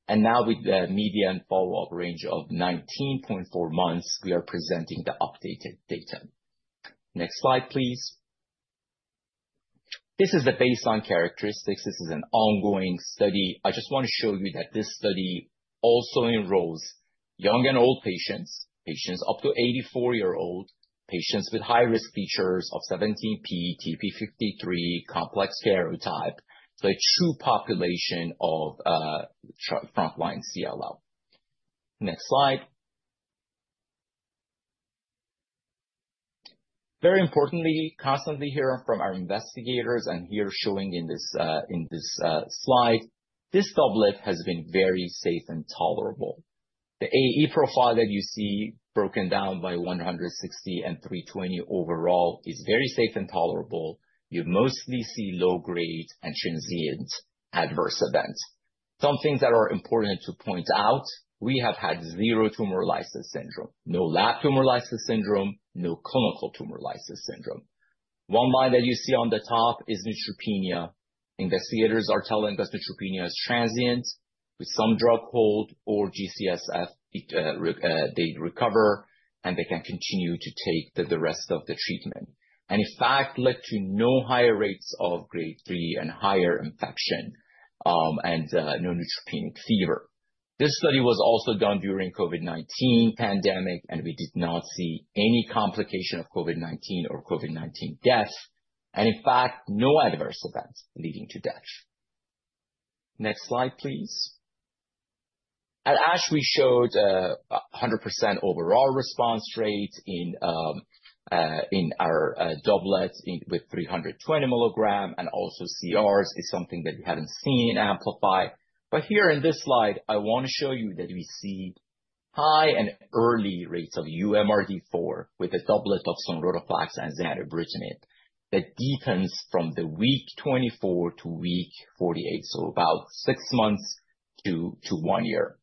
And now with the median follow-up range of 19.4 months, we are presenting the updated data. Next slide, please. This is the baseline characteristics. This is an ongoing study. I just want to show you that this study also enrolls young and old patients, patients up to 84 years old, patients with high-risk features of 17p, TP53, complex karyotype. So a true population of frontline CLL. Next slide. Very importantly, constantly hearing from our investigators and here showing in this slide, this doublet has been very safe and tolerable. The AE profile that you see broken down by 160 and 320 overall is very safe and tolerable. You mostly see low-grade and transient adverse events. Some things that are important to point out: we have had zero tumor lysis syndrome, no lab tumor lysis syndrome, no clinical tumor lysis syndrome. One line that you see on the top is neutropenia. Investigators are telling us neutropenia is transient with some drug hold or G-CSF. They recover and they can continue to take the rest of the treatment, and in fact led to no higher rates of grade 3 and higher infection and no neutropenic fever. This study was also done during the COVID-19 pandemic, and we did not see any complication of COVID-19 or COVID-19 death. In fact, no adverse events leading to death. Next slide, please. At ASH, we showed a 100% overall response rate in our doublet with 320 milligrams, and also CRs is something that we haven't seen in AMPLIFY. Here in this slide, I want to show you that we see high and early rates of uMRD4 with a doublet of sonrotoclax and zanubrutinib that deepens from the week 24 to week 48, so about six months to one year.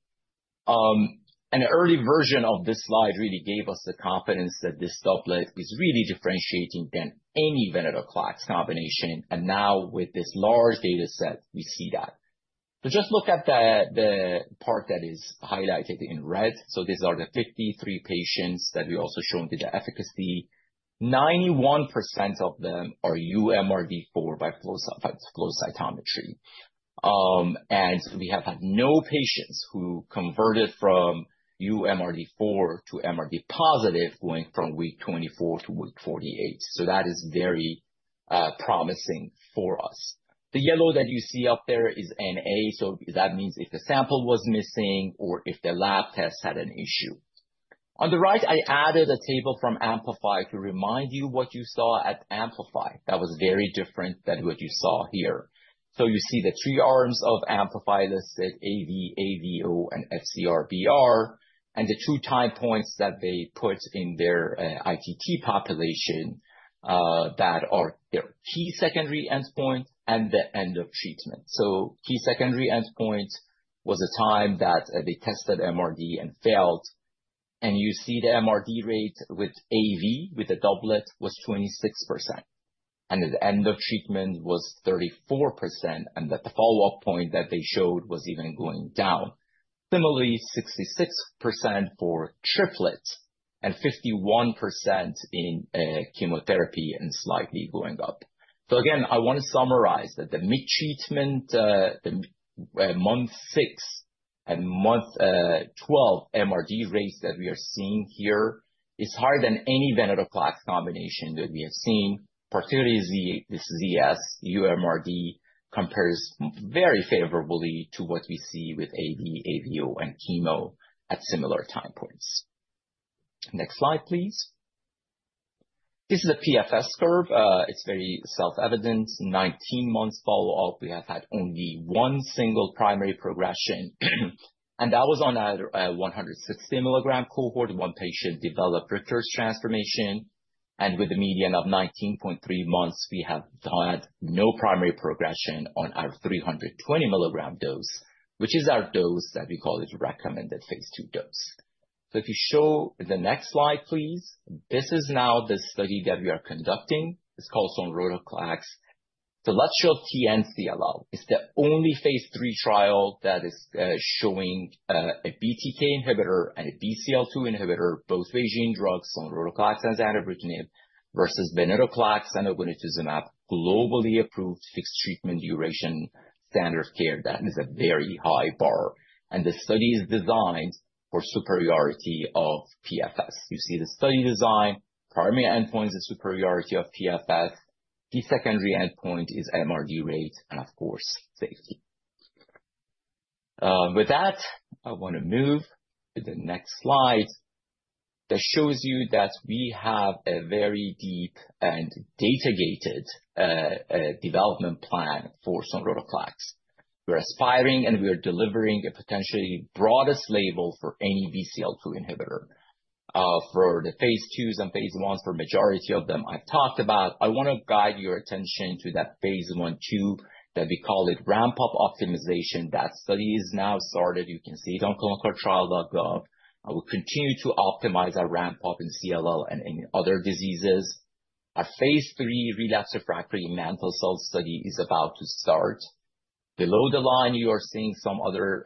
An early version of this slide really gave us the confidence that this doublet is really differentiating than any venetoclax combination. Now with this large dataset, we see that. Just look at the part that is highlighted in red. These are the 53 patients that we also showed the efficacy. 91% of them are uMRD4 by flow cytometry. We have had no patients who converted from uMRD4 to MRD-positive going from week 24 to week 48. That is very promising for us. The yellow that you see up there is NA. That means if the sample was missing or if the lab test had an issue. On the right, I added a table from AMPLIFY to remind you what you saw at AMPLIFY. That was very different than what you saw here. You see the three arms of AMPLIFY listed, AV, AVO, and FCR/BR, and the two time points that they put in their ITT population that are their key secondary endpoint and the end of treatment. Key secondary endpoint was a time that they tested MRD and failed. You see the MRD rate with AV with the doublet was 26%. At the end of treatment was 34%, and that the follow-up point that they showed was even going down. Similarly, 66% for triplets and 51% in chemotherapy and slightly going up. I want to summarize that the mid-treatment, the month 6 and month 12 MRD rates that we are seeing here is higher than any venetoclax combination that we have seen, particularly this uMRD compares very favorably to what we see with AV, AVO, and chemo at similar time points. Next slide, please. This is a PFS curve. It is very self-evident. 19 months follow-up, we have had only one single primary progression. That was on our 160 milligram cohort. One patient developed Richter's transformation. With a median of 19.3 months, we have had no primary progression on our 320 milligram dose, which is our dose that we call it recommended phase 2 dose. So if you show the next slide, please, this is now the study that we are conducting. It's called sonrotoclax. So let's show TN CLL. It's the only phase 3 trial that is showing a BTK inhibitor and a BCL2 inhibitor, both BeiGene drugs, sonrotoclax and zanubrutinib versus venetoclax and obinutuzumab, globally approved fixed treatment duration standard of care. That is a very high bar. And the study is designed for superiority of PFS. You see the study design, primary endpoints and superiority of PFS. The secondary endpoint is MRD rate and, of course, safety. With that, I want to move to the next slide that shows you that we have a very deep and data-gated development plan for sonrotoclax. We're aspiring and we are delivering a potentially broadest label for any BCL2 inhibitor. For the phase 2s and phase 1s, for the majority of them I've talked about, I want to guide your attention to that phase 1, 2 that we call it ramp-up optimization. That study is now started. You can see it on ClinicalTrials.gov. We continue to optimize our ramp-up in CLL and in other diseases. Our phase 3 relapse refractory mantle cell study is about to start. Below the line, you are seeing some other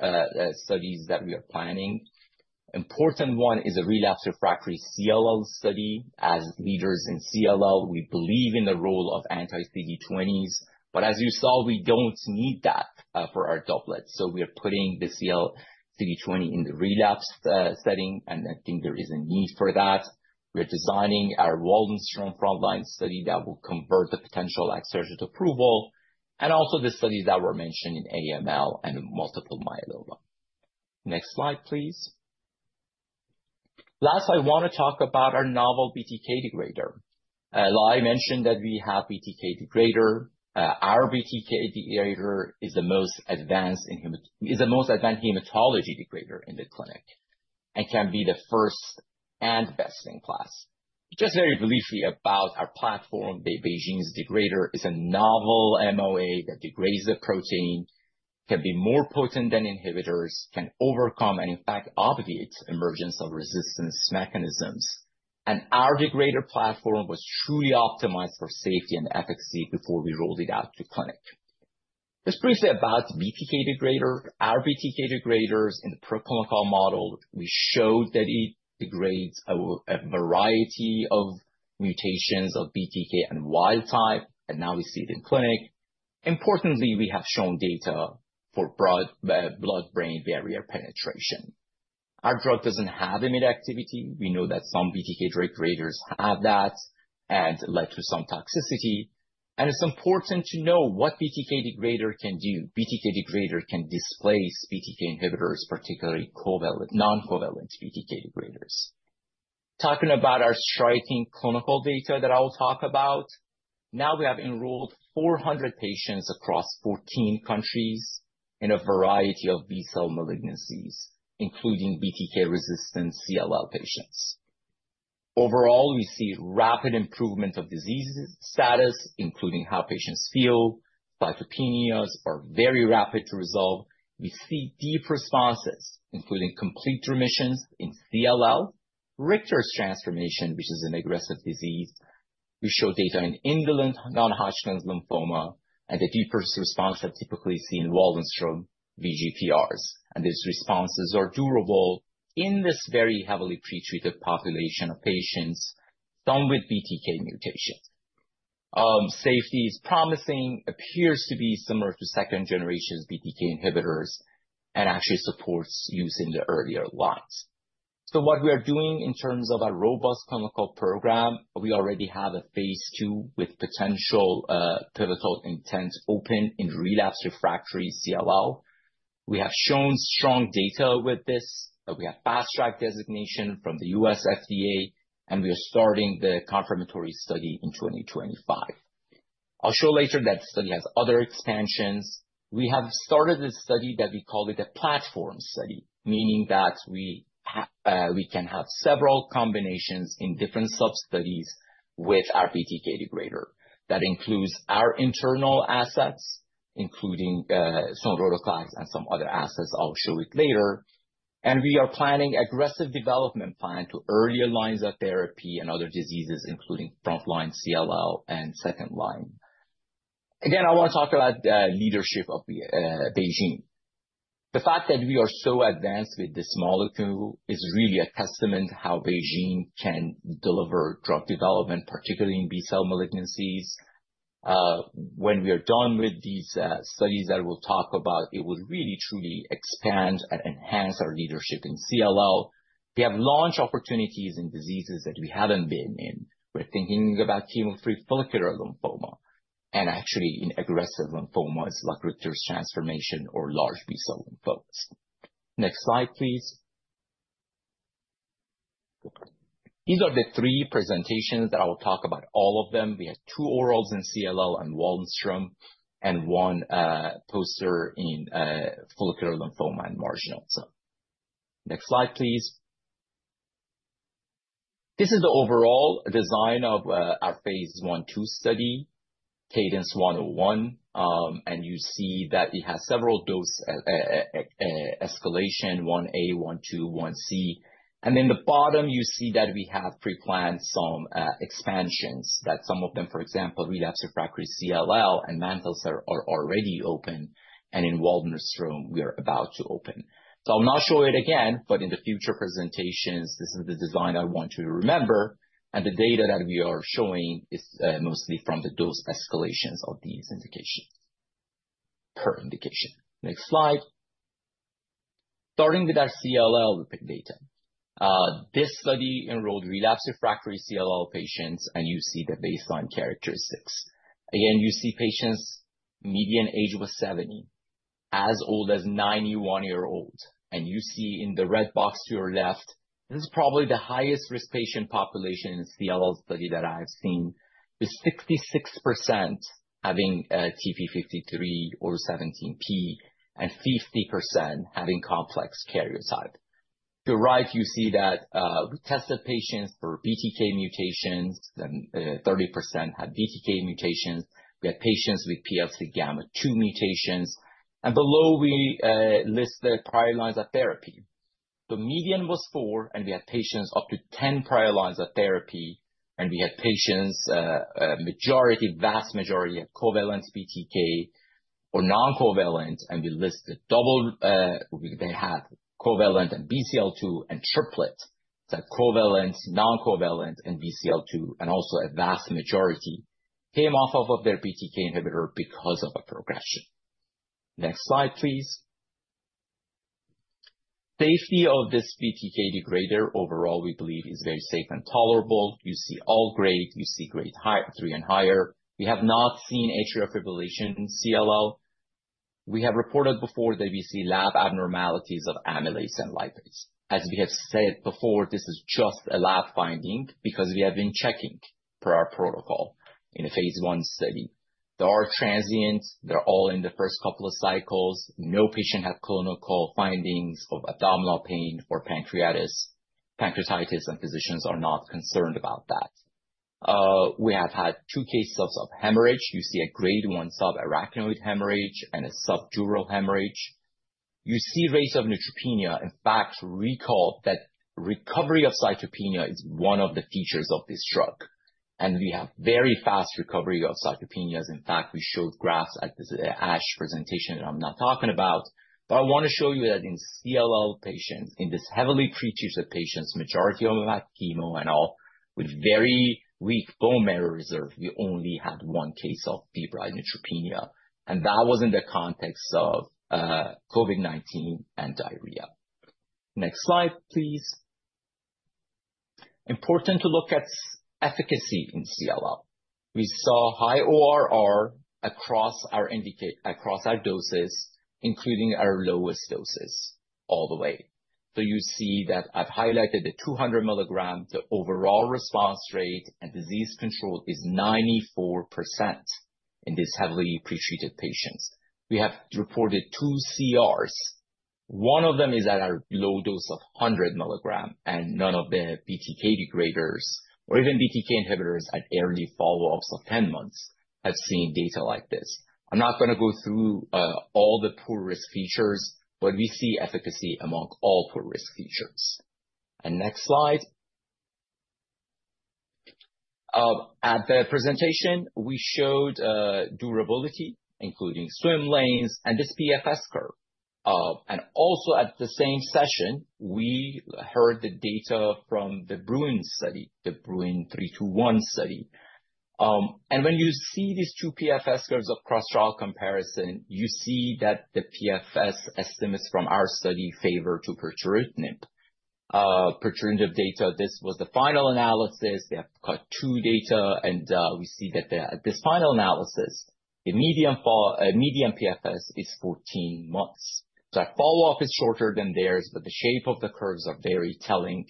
studies that we are planning. An important one is a relapse refractory CLL study. As leaders in CLL, we believe in the role of anti-CD20s. But as you saw, we don't need that for our doublet. So we are putting the CLL CD20 in the relapse setting, and I think there is a need for that. We are designing our Waldenström frontline study that will convert the potential accelerated approval and also the studies that were mentioned in AML and in multiple myeloma. Next slide, please. Last, I want to talk about our novel BTK degrader. Like I mentioned, we have BTK degrader. Our BTK degrader is the most advanced hematology degrader in the clinic and can be the first and best in class. Just very briefly about our platform, BeiGene's degrader is a novel MOA that degrades the protein, can be more potent than inhibitors, can overcome and, in fact, obviate emergence of resistance mechanisms and our degrader platform was truly optimized for safety and efficacy before we rolled it out to clinic. Just briefly about BTK degrader. Our BTK degraders in the pre-clinical model, we showed that it degrades a variety of mutations of BTK and wild type, and now we see it in clinic. Importantly, we have shown data for blood-brain barrier penetration. Our drug doesn't have immune activity. We know that some BTK degraders have that and led to some toxicity. It's important to know what BTK degrader can do. BTK degrader can displace BTK inhibitors, particularly non-covalent BTK degraders. Talking about our striking clinical data that I'll talk about, now we have enrolled 400 patients across 14 countries in a variety of B-cell malignancies, including BTK-resistant CLL patients. Overall, we see rapid improvement of disease status, including how patients feel. Cytopenias are very rapid to resolve. We see deep responses, including complete remissions in CLL, Richter's transformation, which is an aggressive disease. We show data in indolent non-Hodgkin lymphoma, and the deepest response that's typically seen in Waldenström VGPRs. And these responses are durable in this very heavily pretreated population of patients with BTK mutations. Safety is promising, appears to be similar to second-generation BTK inhibitors, and actually supports use in the earlier lines. So what we are doing in terms of our robust clinical program, we already have a phase 2 with potential pivotal intent open in relapse refractory CLL. We have shown strong data with this. We have fast-track designation from the U.S. FDA, and we are starting the confirmatory study in 2025. I'll show later that the study has other expansions. We have started the study that we call it a platform study, meaning that we can have several combinations in different sub-studies with our BTK degrader. That includes our internal assets, including sonrotoclax and some other assets. I'll show it later. And we are planning an aggressive development plan to early lines of therapy and other diseases, including frontline CLL and second line. Again, I want to talk about the leadership of BeiGene. The fact that we are so advanced with this molecule is really a testament to how BeiGene can deliver drug development, particularly in B-cell malignancies. When we are done with these studies that we'll talk about, it will really, truly expand and enhance our leadership in CLL. We have launched opportunities in diseases that we haven't been in. We're thinking about chemo-free follicular lymphoma and actually in aggressive lymphomas like Richter's transformation or large B-cell lymphomas. Next slide, please. These are the three presentations that I will talk about, all of them. We have two orals in CLL and Waldenström and one poster in follicular lymphoma and marginal zone. Next slide, please. This is the overall design of our phase I, II study, Cadence 101. And you see that it has several dose escalations, 1A, 1B, 2, 1C. And in the bottom, you see that we have pre-planned some expansions, that some of them, for example, relapsed/refractory CLL and mantle cell are already open. And in Waldenström, we are about to open. So I'll not show it again, but in the future presentations, this is the design I want you to remember. And the data that we are showing is mostly from the dose escalations of these indications, per indication. Next slide. Starting with our CLL data. This study enrolled relapsed/refractory CLL patients, and you see the baseline characteristics. Again, you see patients' median age was 70, as old as 91 years old. And you see in the red box to your left, this is probably the highest risk patient population in a CLL study that I've seen, with 66% having TP53 or 17P and 50% having complex karyotype. To the right, you see that we tested patients for BTK mutations, then 30% had BTK mutations. We had patients with PLCG2 mutations. And below, we list the prior lines of therapy. The median was four, and we had patients up to 10 prior lines of therapy. And we had patients, a vast majority of covalent BTK or non-covalent. And we list the double. They had covalent and BCL2 and triplet, that covalent, non-covalent, and BCL2, and also a vast majority came off of their BTK inhibitor because of a progression. Next slide, please. Safety of this BTK degrader, overall, we believe is very safe and tolerable. You see all great. You see Grade 3 and higher. We have not seen atrial fibrillation in CLL. We have reported before that we see lab abnormalities of amylase and lipase. As we have said before, this is just a lab finding because we have been checking per our protocol in a phase 1 study. They are transient. They're all in the first couple of cycles. No patient had clinical findings of abdominal pain or pancreatitis. Patients and physicians are not concerned about that. We have had two cases of hemorrhage. You see a Grade 1 subarachnoid hemorrhage and a subdural hemorrhage. You see rates of neutropenia. In fact, recall that recovery of cytopenia is one of the features of this drug, and we have very fast recovery of cytopenias. In fact, we showed graphs at the ASH presentation that I'm not talking about. But I want to show you that in CLL patients, in these heavily pretreated patients, majority of them had chemo and all, with very weak bone marrow reserve, we only had one case of febrile neutropenia. And that was in the context of COVID-19 and diarrhea. Next slide, please. Important to look at efficacy in CLL. We saw high ORR across our doses, including our lowest doses all the way. So you see that I've highlighted the 200 milligram, the overall response rate, and disease control is 94% in these heavily pretreated patients. We have reported two CRs. One of them is at our low dose of 100 milligram, and none of the BTK degraders or even BTK inhibitors at early follow-ups of 10 months have seen data like this. I'm not going to go through all the poor risk features, but we see efficacy among all poor risk features. Next slide. At the presentation, we showed durability, including swim lanes and this PFS curve. Also, at the same session, we heard the data from the BRUIN study, the BRUIN 321 study. When you see these two PFS curves across trial comparison, you see that the PFS estimates from our study favor pirtobrutinib. Pirtobrutinib data, this was the final analysis. They have cutoff data, and we see that at this final analysis, the median PFS is 14 months. That follow-up is shorter than theirs, but the shape of the curves is very telling.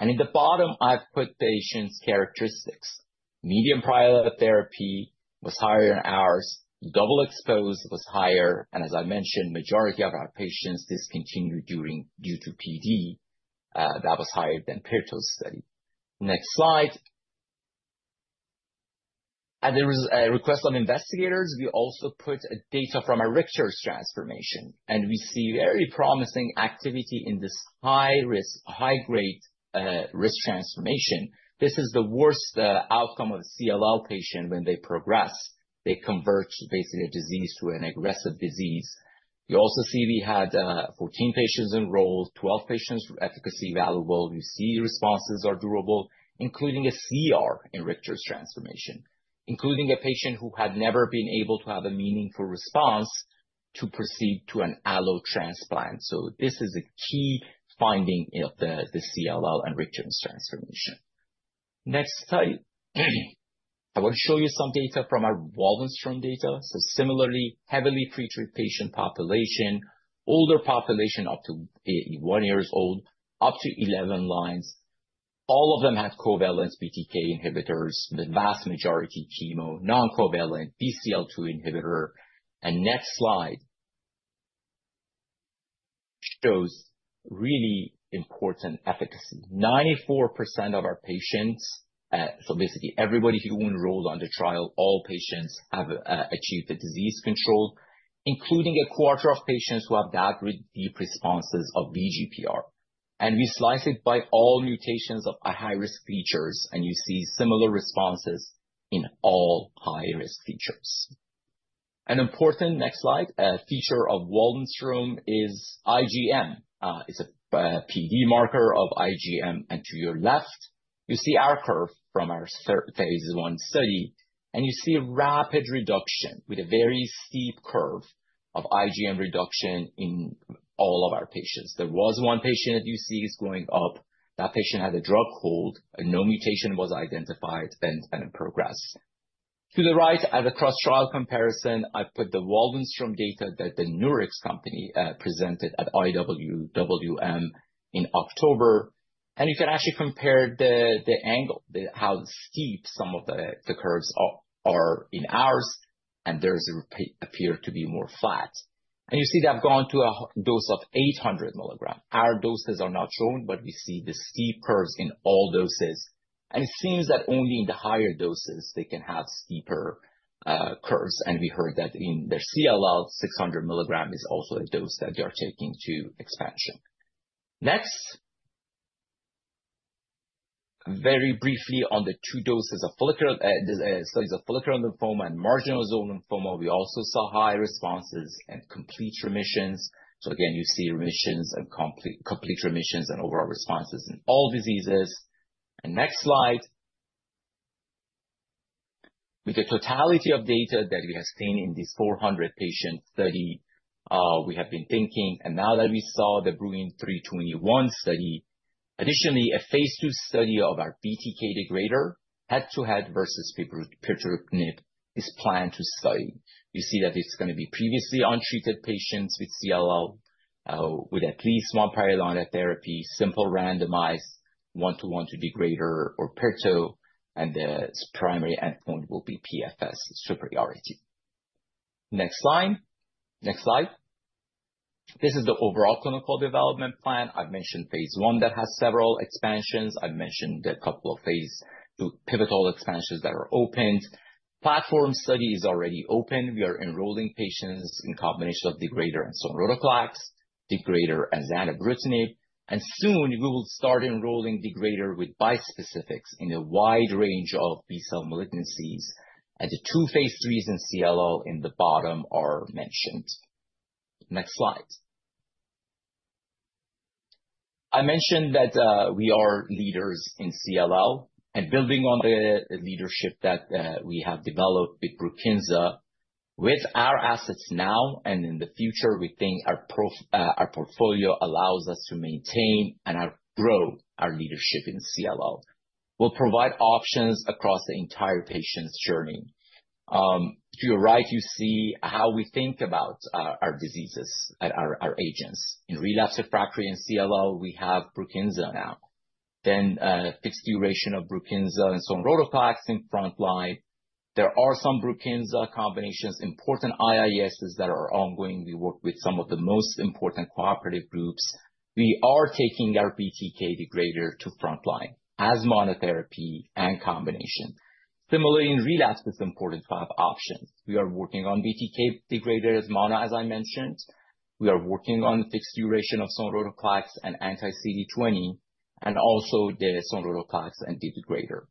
In the bottom, I've put patients' characteristics. Median prior therapy was higher than ours. Double-exposed was higher. And as I mentioned, the majority of our patients discontinued due to PD that was higher than pirtobrutinib study. Next slide. At the request of investigators, we also put data from our Richter's transformation. We see very promising activity in this high-risk, high-grade risk transformation. This is the worst outcome of a CLL patient when they progress. They convert basically a disease to an aggressive disease. You also see we had 14 patients enrolled, 12 patients efficacy evaluable. You see responses are durable, including a CR in Richter's transformation, including a patient who had never been able to have a meaningful response to proceed to an allotransplant. This is a key finding of the CLL and Richter's transformation. Next slide. I want to show you some data from our Waldenström data. Similarly, heavily pretreated patient population, older population up to 81 years old, up to 11 lines. All of them had covalent BTK inhibitors, the vast majority chemo, non-covalent BCL2 inhibitor, and next slide shows really important efficacy. 94% of our patients, so basically everybody who enrolled on the trial, all patients have achieved the disease control, including a quarter of patients who have that deep responses of VGPR, and we slice it by all mutations of high-risk features, and you see similar responses in all high-risk features. An important next slide feature of Waldenström is IgM. It's a PD marker of IgM, and to your left, you see our curve from our phase II study, and you see a rapid reduction with a very steep curve of IgM reduction in all of our patients. There was one patient that you see is going up. That patient had a drug hold. No mutation was identified and progressed. To the right, as a cross-trial comparison, I've put the Waldenström data that the Nurix company presented at IWWM in October. You can actually compare the angle, how steep some of the curves are in ours. There appears to be more flat. You see they've gone to a dose of 800 milligram. Our doses are not shown, but we see the steep curves in all doses. It seems that only in the higher doses, they can have steeper curves. We heard that in their CLL, 600 milligram is also a dose that they are taking to expansion. Next. Very briefly on the two doses of follicular studies of follicular lymphoma and marginal zone lymphoma, we also saw high responses and complete remissions. Again, you see remissions and complete remissions and overall responses in all diseases. Next slide. With the totality of data that we have seen in these 400 patient studies, we have been thinking. And now that we saw the BRUIN 321 study, additionally, a phase II study of our BTK degrader, head-to-head versus pirtobrutinib, is planned to study. You see that it's going to be previously untreated patients with CLL with at least one prior line of therapy, simple randomized 1:1 to degrader, or PIRTO. And the primary endpoint will be PFS superiority. Next slide. Next slide. This is the overall clinical development plan. I've mentioned phase I that has several expansions. I've mentioned a couple of phase II pivotal expansions that are opened. Platform study is already open. We are enrolling patients in combination of degrader and sonrotoclax, degrader and zanubrutinib. And soon, we will start enrolling degrader with bispecifics in a wide range of B-cell malignancies. And the two phase III's in CLL in the bottom are mentioned. Next slide. I mentioned that we are leaders in CLL and building on the leadership that we have developed with BRUKINSA with our assets now and in the future. We think our portfolio allows us to maintain and grow our leadership in CLL. We'll provide options across the entire patient's journey. To your right, you see how we think about our diseases and our agents. In relapsed refractory CLL, we have BRUKINSA now. Then fixed duration of BRUKINSA and sonrotoclax in front line. There are some BRUKINSA combinations, important IISs that are ongoing. We work with some of the most important cooperative groups. We are taking our BTK degrader to front line as monotherapy and combination. Similarly, in relapse, it's important to have options. We are working on BTK degrader as monotherapy, as I mentioned. We are working on the fixed duration of sonrotoclax and anti-CD20, and also the sonrotoclax and degrader.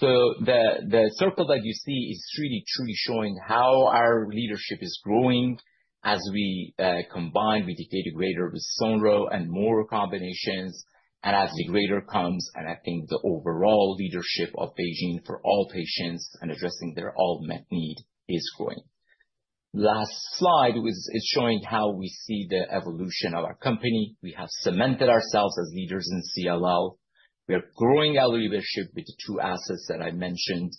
So the circle that you see is really truly showing how our leadership is growing as we combine BTK degrader with sonrotoclax and more combinations. And as degrader comes, and I think the overall leadership of BeiGene for all patients and addressing their unmet need is growing. Last slide is showing how we see the evolution of our company. We have cemented ourselves as leaders in CLL. We are growing our leadership with the two assets that I mentioned.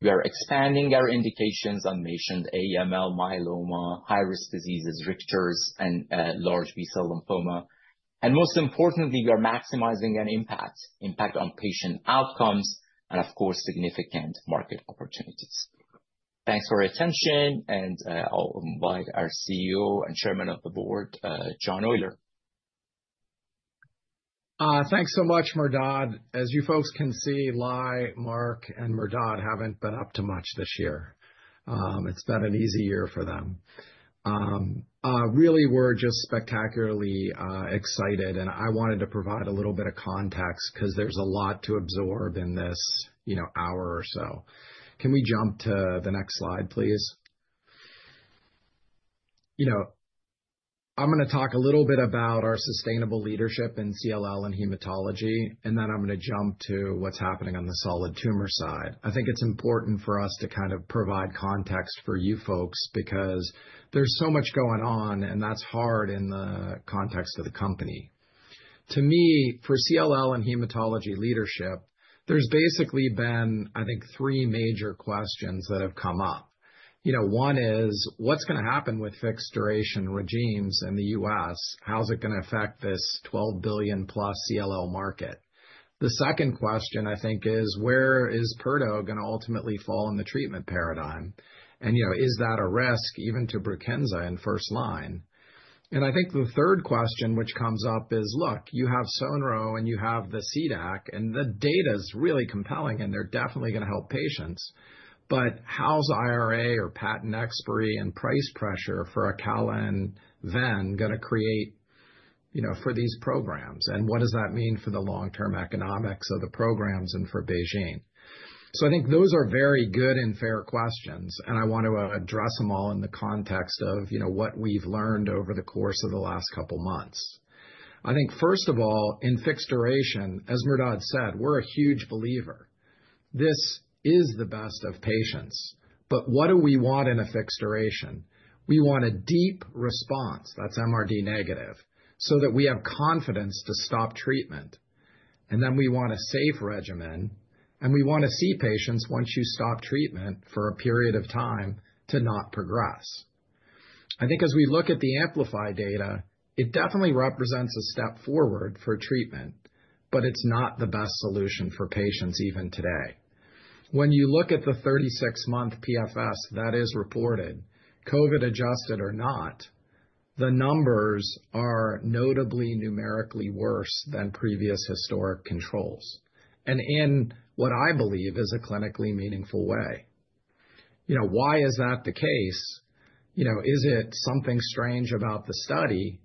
We are expanding our indications on patient AML myeloma, high-risk diseases, Richter's, and large B-cell lymphoma. And most importantly, we are maximizing our impact, impact on patient outcomes, and of course, significant market opportunities. Thanks for your attention. And I'll invite our CEO and chairman of the board, John Oyler. Thanks so much, Mehrdad. As you folks can see, Lai, Mark, and Mehrdad haven't been up to much this year. It's been an easy year for them. Really, we're just spectacularly excited. And I wanted to provide a little bit of context because there's a lot to absorb in this hour or so. Can we jump to the next slide, please? You know, I'm going to talk a little bit about our sustainable leadership in CLL and hematology. And then I'm going to jump to what's happening on the solid tumor side. I think it's important for us to kind of provide context for you folks because there's so much going on, and that's hard in the context of the company. To me, for CLL and hematology leadership, there's basically been, I think, three major questions that have come up. You know, one is, what's going to happen with fixed-duration regimens in the U.S.? How's it going to affect this $12 billion-plus CLL market? The second question, I think, is, where is PIRTO going to ultimately fall in the treatment paradigm? And you know, is that a risk even to BRUKINSA in first line? And I think the third question which comes up is, look, you have Sonrotoclax and you have the CDAC, and the data is really compelling, and they're definitely going to help patients. But how's IRA or patent expiry and price pressure for Calquence then going to create, you know, for these programs? And what does that mean for the long-term economics of the programs and for BeiGene? So I think those are very good and fair questions. And I want to address them all in the context of, you know, what we've learned over the course of the last couple of months. I think, first of all, in fixed duration, as Mehrdad said, we're a huge believer. This is the best of patients. But what do we want in a fixed duration? We want a deep response that's MRD negative so that we have confidence to stop treatment. And then we want a safe regimen. And we want to see patients, once you stop treatment for a period of time, to not progress. I think as we look at the AMPLIFY data, it definitely represents a step forward for treatment, but it's not the best solution for patients even today. When you look at the 36-month PFS that is reported, COVID adjusted or not, the numbers are notably numerically worse than previous historic controls. And in what I believe is a clinically meaningful way. You know, why is that the case? You know, is it something strange about the study?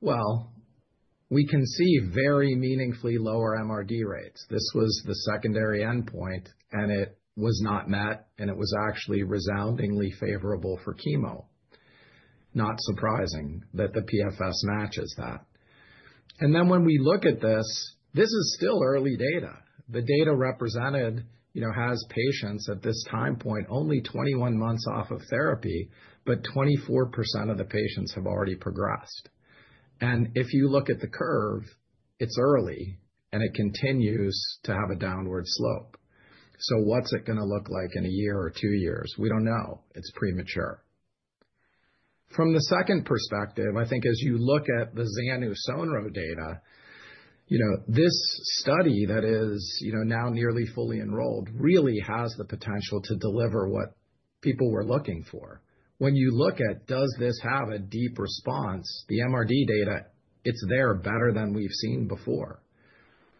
Well, we can see very meaningfully lower MRD rates. This was the secondary endpoint, and it was not met, and it was actually resoundingly favorable for chemo. Not surprising that the PFS matches that. And then when we look at this, this is still early data. The data represented, you know, has patients at this time point only 21 months off of therapy, but 24% of the patients have already progressed. And if you look at the curve, it's early, and it continues to have a downward slope. So what's it going to look like in a year or two years? We don't know. It's premature. From the second perspective, I think as you look at the zanubrutinib data, you know, this study that is, you know, now nearly fully enrolled really has the potential to deliver what people were looking for. When you look at does this have a deep response, the MRD data, it's there better than we've seen before.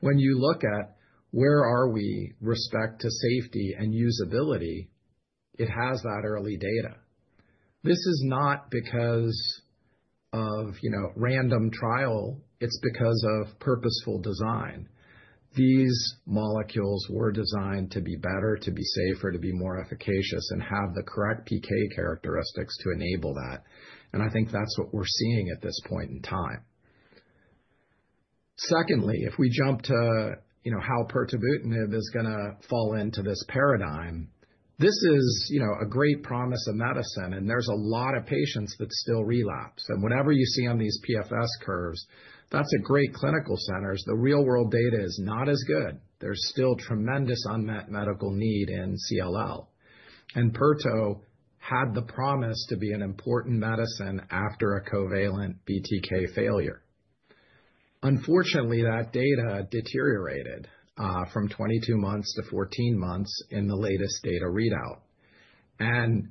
When you look at where we are with respect to safety and usability, it has that early data. This is not because of, you know, random trial. It's because of purposeful design. These molecules were designed to be better, to be safer, to be more efficacious, and have the correct PK characteristics to enable that. And I think that's what we're seeing at this point in time. Secondly, if we jump to, you know, how pirtobrutinib is going to fall into this paradigm, this is, you know, a great promise of medicine. And there's a lot of patients that still relapse. And whatever you see on these PFS curves, that's a great clinical center. The real-world data is not as good. There's still tremendous unmet medical need in CLL. And pirto had the promise to be an important medicine after a covalent BTK failure. Unfortunately, that data deteriorated from 22 months to 14 months in the latest data readout. And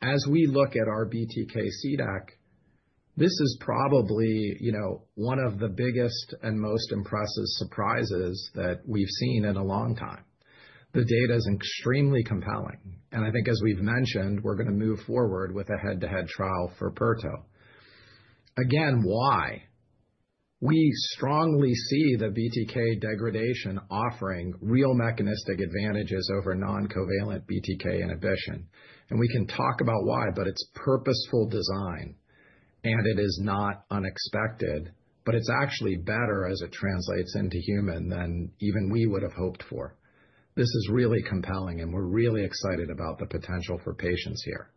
as we look at our BTK CDAC, this is probably, you know, one of the biggest and most impressive surprises that we've seen in a long time. The data is extremely compelling. And I think as we've mentioned, we're going to move forward with a head-to-head trial for pirto. Again, why? We strongly see the BTK degradation offering real mechanistic advantages over non-covalent BTK inhibition. And we can talk about why, but it's purposeful design. It is not unexpected, but it's actually better as it translates into human than even we would have hoped for. This is really compelling, and we're really excited about the potential for patients here.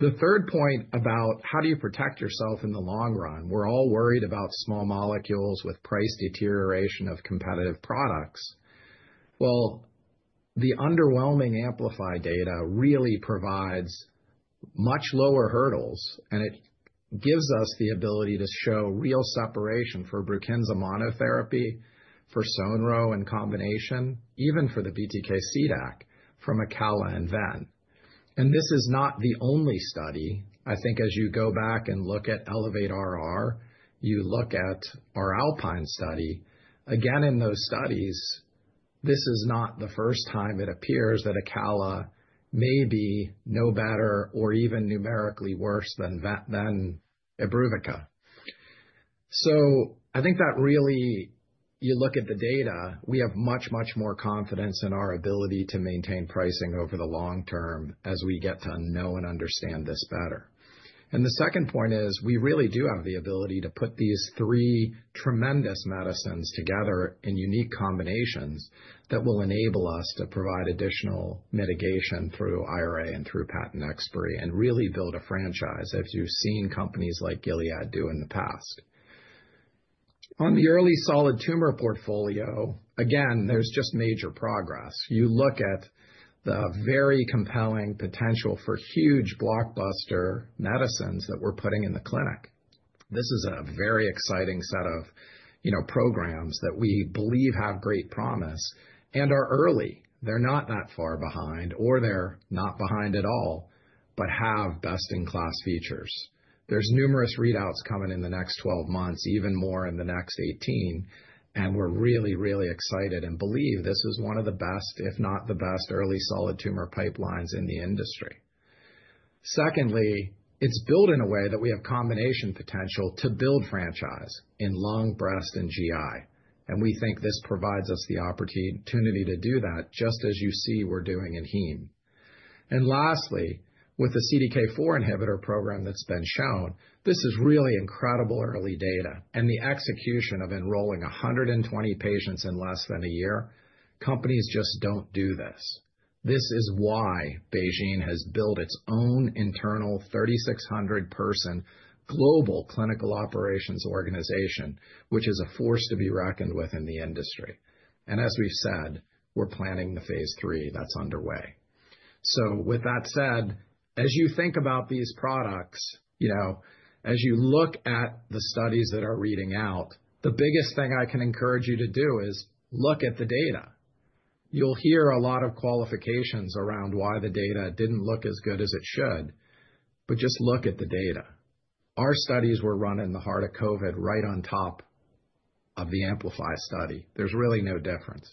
The third point about how do you protect yourself in the long run? We're all worried about small molecules with price deterioration of competitive products. The underwhelming AMPLIFY data really provides much lower hurdles, and it gives us the ability to show real separation for BRUKINSA monotherapy, for sonrotoclax in combination, even for the BTK CDAC from a Calquence then. This is not the only study. I think as you go back and look at ELEVATE-RR, you look at our ALPINE study. Again, in those studies, this is not the first time it appears that a Calquence may be no better or even numerically worse than Imbruvica. So I think that really, you look at the data, we have much, much more confidence in our ability to maintain pricing over the long term as we get to know and understand this better. And the second point is we really do have the ability to put these three tremendous medicines together in unique combinations that will enable us to provide additional mitigation through IRA and through patent expiry and really build a franchise as you've seen companies like Gilead do in the past. On the early solid tumor portfolio, again, there's just major progress. You look at the very compelling potential for huge blockbuster medicines that we're putting in the clinic. This is a very exciting set of, you know, programs that we believe have great promise and are early. They're not that far behind, or they're not behind at all, but have best-in-class features. There's numerous readouts coming in the next 12 months, even more in the next 18. And we're really, really excited and believe this is one of the best, if not the best, early solid tumor pipelines in the industry. Secondly, it's built in a way that we have combination potential to build franchise in lung, breast, and GI. And we think this provides us the opportunity to do that just as you see we're doing in HEME. And lastly, with the CDK4 inhibitor program that's been shown, this is really incredible early data. And the execution of enrolling 120 patients in less than a year, companies just don't do this. This is why BeiGene has built its own internal 3,600-person global clinical operations organization, which is a force to be reckoned with in the industry. And as we've said, we're planning the phase III that's underway. So with that said, as you think about these products, you know, as you look at the studies that are reading out, the biggest thing I can encourage you to do is look at the data. You'll hear a lot of qualifications around why the data didn't look as good as it should, but just look at the data. Our studies were run in the heart of COVID right on top of the AMPLIFY study. There's really no difference.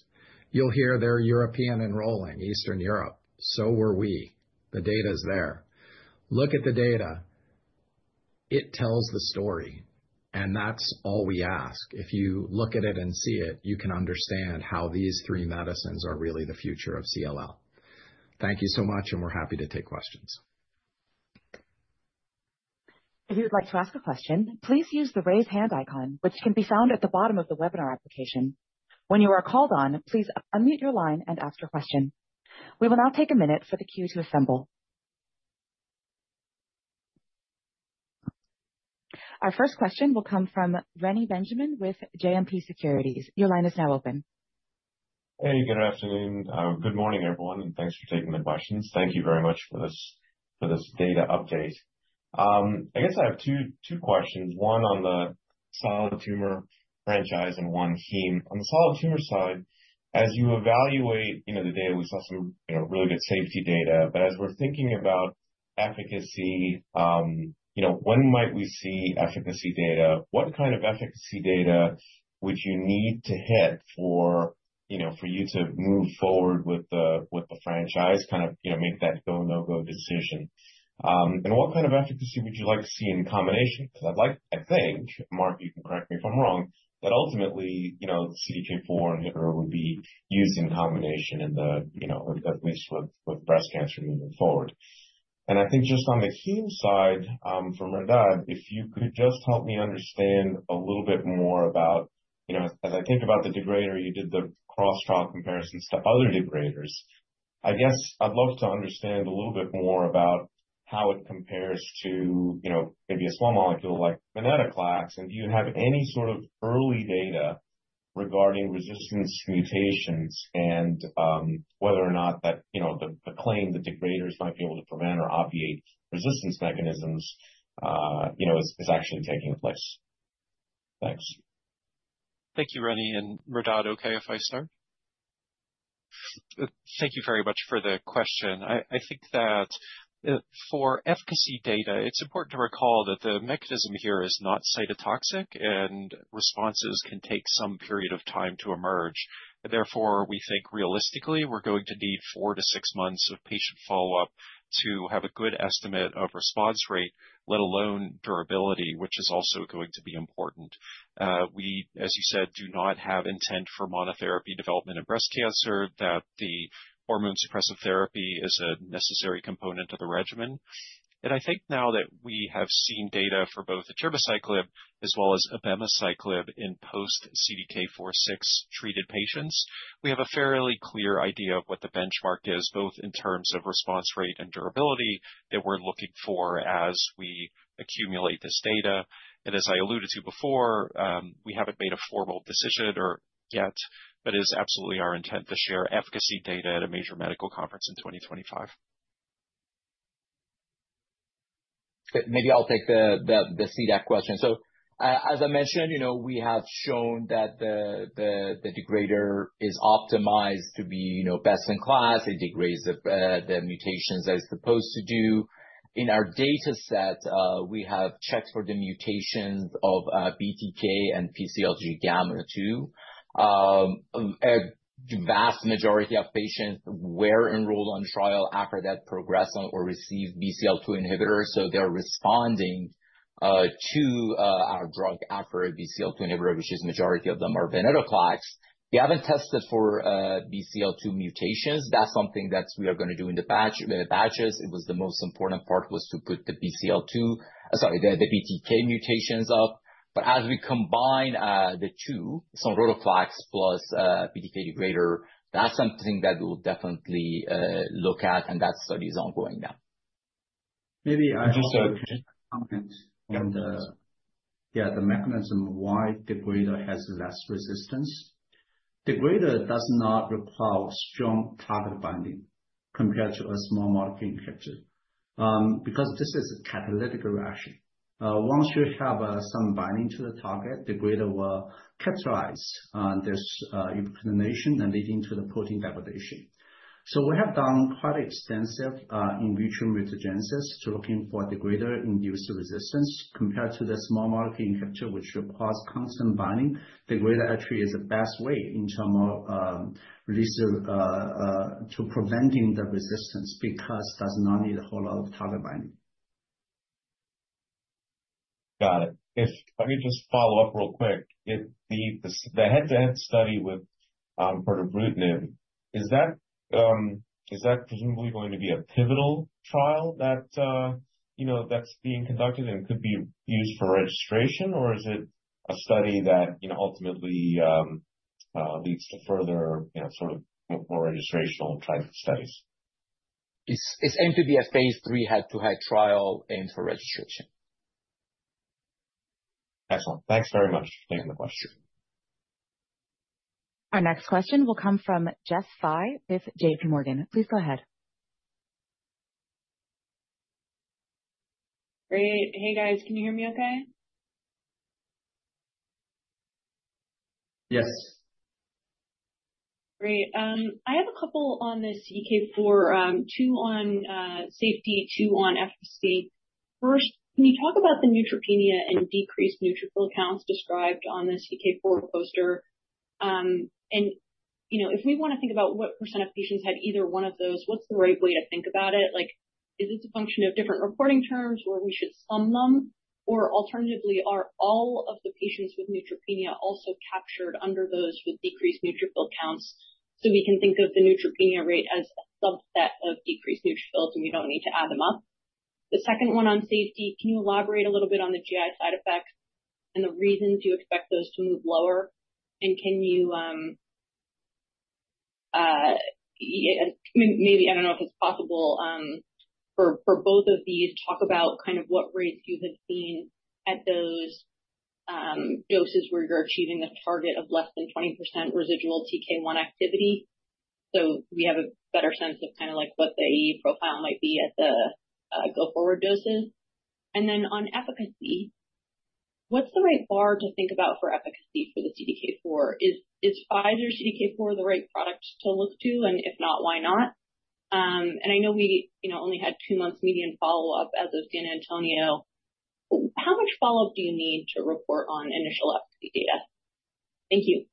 You'll hear they're European enrolling, Eastern Europe. So were we. The data is there. Look at the data. It tells the story. And that's all we ask. If you look at it and see it, you can understand how these three medicines are really the future of CLL. Thank you so much, and we're happy to take questions. If you'd like to ask a question, please use the raise hand icon, which can be found at the bottom of the webinar application. When you are called on, please unmute your line and ask your question. We will now take a minute for the queue to assemble. Our first question will come from Rennie Benjamin with JMP Securities. Your line is now open. Hey, good afternoon. Good morning, everyone. And thanks for taking the questions. Thank you very much for this data update. I guess I have two questions. One on the solid tumor franchise and one HEME. On the solid tumor side, as you evaluate, you know, the data, we saw some, you know, really good safety data. But as we're thinking about efficacy, you know, when might we see efficacy data? What kind of efficacy data would you need to hit for, you know, for you to move forward with the franchise, kind of, you know, make that go/no-go decision? And what kind of efficacy would you like to see in combination? Because I'd like, I think, Mark, you can correct me if I'm wrong, that ultimately, you know, CDK4 inhibitor would be used in combination in the, you know, at least with breast cancer moving forward. And I think just on the HEME side from Mehrdad, if you could just help me understand a little bit more about, you know, as I think about the degrader, you did the cross-trial comparisons to other degraders. I guess I'd love to understand a little bit more about how it compares to, you know, maybe a small molecule like venetoclax. Do you have any sort of early data regarding resistance mutations and whether or not that, you know, the claim that degraders might be able to prevent or obviate resistance mechanisms, you know, is actually taking place? Thanks. Thank you, Rennie. Mehrdad, okay, if I start? Thank you very much for the question. I think that for efficacy data, it's important to recall that the mechanism here is not cytotoxic, and responses can take some period of time to emerge. Therefore, we think realistically, we're going to need four to six months of patient follow-up to have a good estimate of response rate, let alone durability, which is also going to be important. We, as you said, do not have intent for monotherapy development in breast cancer, that the hormone suppressive therapy is a necessary component of the regimen. I think now that we have seen data for both palbociclib as well as abemaciclib in post-CDK4/6 treated patients, we have a fairly clear idea of what the benchmark is, both in terms of response rate and durability that we're looking for as we accumulate this data. As I alluded to before, we haven't made a formal decision or yet, but it is absolutely our intent to share efficacy data at a major medical conference in 2025. Maybe I'll take the CDAC question. As I mentioned, you know, we have shown that the degrader is optimized to be, you know, best in class. It degrades the mutations as it's supposed to do. In our data set, we have checked for the mutations of BTK and PLCG2. A vast majority of patients were enrolled on trial after that progression or received BCL2 inhibitor. They're responding to our drug after a BCL2 inhibitor, which is majority of them are venetoclax. We haven't tested for BCL2 mutations. That's something that we are going to do in the batches. It was the most important part to put the BCL2, sorry, the BTK mutations up. But as we combine the two, sonrotoclax plus BTK degrader, that's something that we'll definitely look at, and that study is ongoing now. Maybe I'll just add a comment on the mechanism, why degrader has less resistance. Degrader does not require strong target binding compared to a small molecule inhibitor because this is a catalytic reaction. Once you have some binding to the target, degrader will catalyze this ubiquitination and leading to the protein degradation. So we have done quite extensive in vitro mutagenesis to look for degrader-induced resistance compared to the small molecule inhibitor, which requires constant binding. Degrader actually is the best way in terms of preventing the resistance because it does not need a whole lot of target binding. Got it. Let me just follow up real quick. The head-to-head study with pirtobrutinib, is that presumably going to be a pivotal trial that, you know, that's being conducted and could be used for registration, or is it a study that, you know, ultimately leads to further, you know, sort of more registrational type studies? It's aimed to be a phase III head-to-head trial aimed for registration. Excellent. Thanks very much for taking the question. Our next question will come from Jess Fye with J.P. Morgan. Please go ahead. Great. Hey, guys, can you hear me okay? Yes. Great. I have a couple on this EK4, two on safety, two on efficacy. First, can you talk about the neutropenia and decreased neutrophil counts described on this EK4 poster? And, you know, if we want to think about what % of patients had either one of those, what's the right way to think about it? Like, is it a function of different reporting terms where we should sum them? Or alternatively, are all of the patients with neutropenia also captured under those with decreased neutrophil counts so we can think of the neutropenia rate as a subset of decreased neutrophils and we don't need to add them up? The second one on safety, can you elaborate a little bit on the GI side effects and the reasons you expect those to move lower? Can you, maybe, I don't know if it's possible for both of these talk about kind of what rates you have seen at those doses where you're achieving the target of less than 20% residual TK1 activity? So we have a better sense of kind of like what the profile might be at the go forward doses. And then on efficacy, what's the right bar to think about for efficacy for the CDK4? Is Pfizer CDK4 the right product to look to? And if not, why not? And I know we, you know, only had two months median follow-up as of San Antonio. How much follow-up do you need to report on initial efficacy data? Thank you.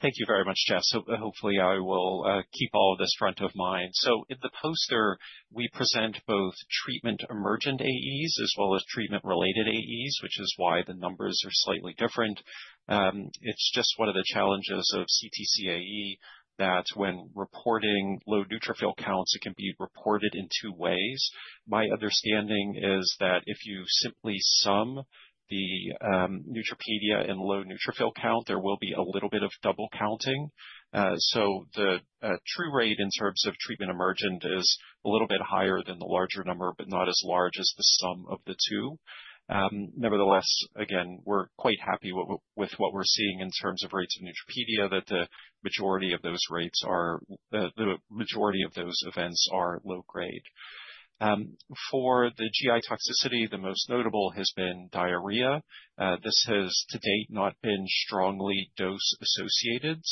Thank you very much, Jess. Hopefully, I will keep all of this front of mind. So in the poster, we present both treatment emergent AEs as well as treatment-related AEs, which is why the numbers are slightly different. It's just one of the challenges of CTCAE that when reporting low neutrophil counts, it can be reported in two ways. My understanding is that if you simply sum the neutropenia and low neutrophil count, there will be a little bit of double counting. So the true rate in terms of treatment emergent is a little bit higher than the larger number, but not as large as the sum of the two. Nevertheless, again, we're quite happy with what we're seeing in terms of rates of neutropenia, that the majority of those rates are, the majority of those events are low grade. For the GI toxicity, the most notable has been diarrhea. This has to date not been strongly dose associated.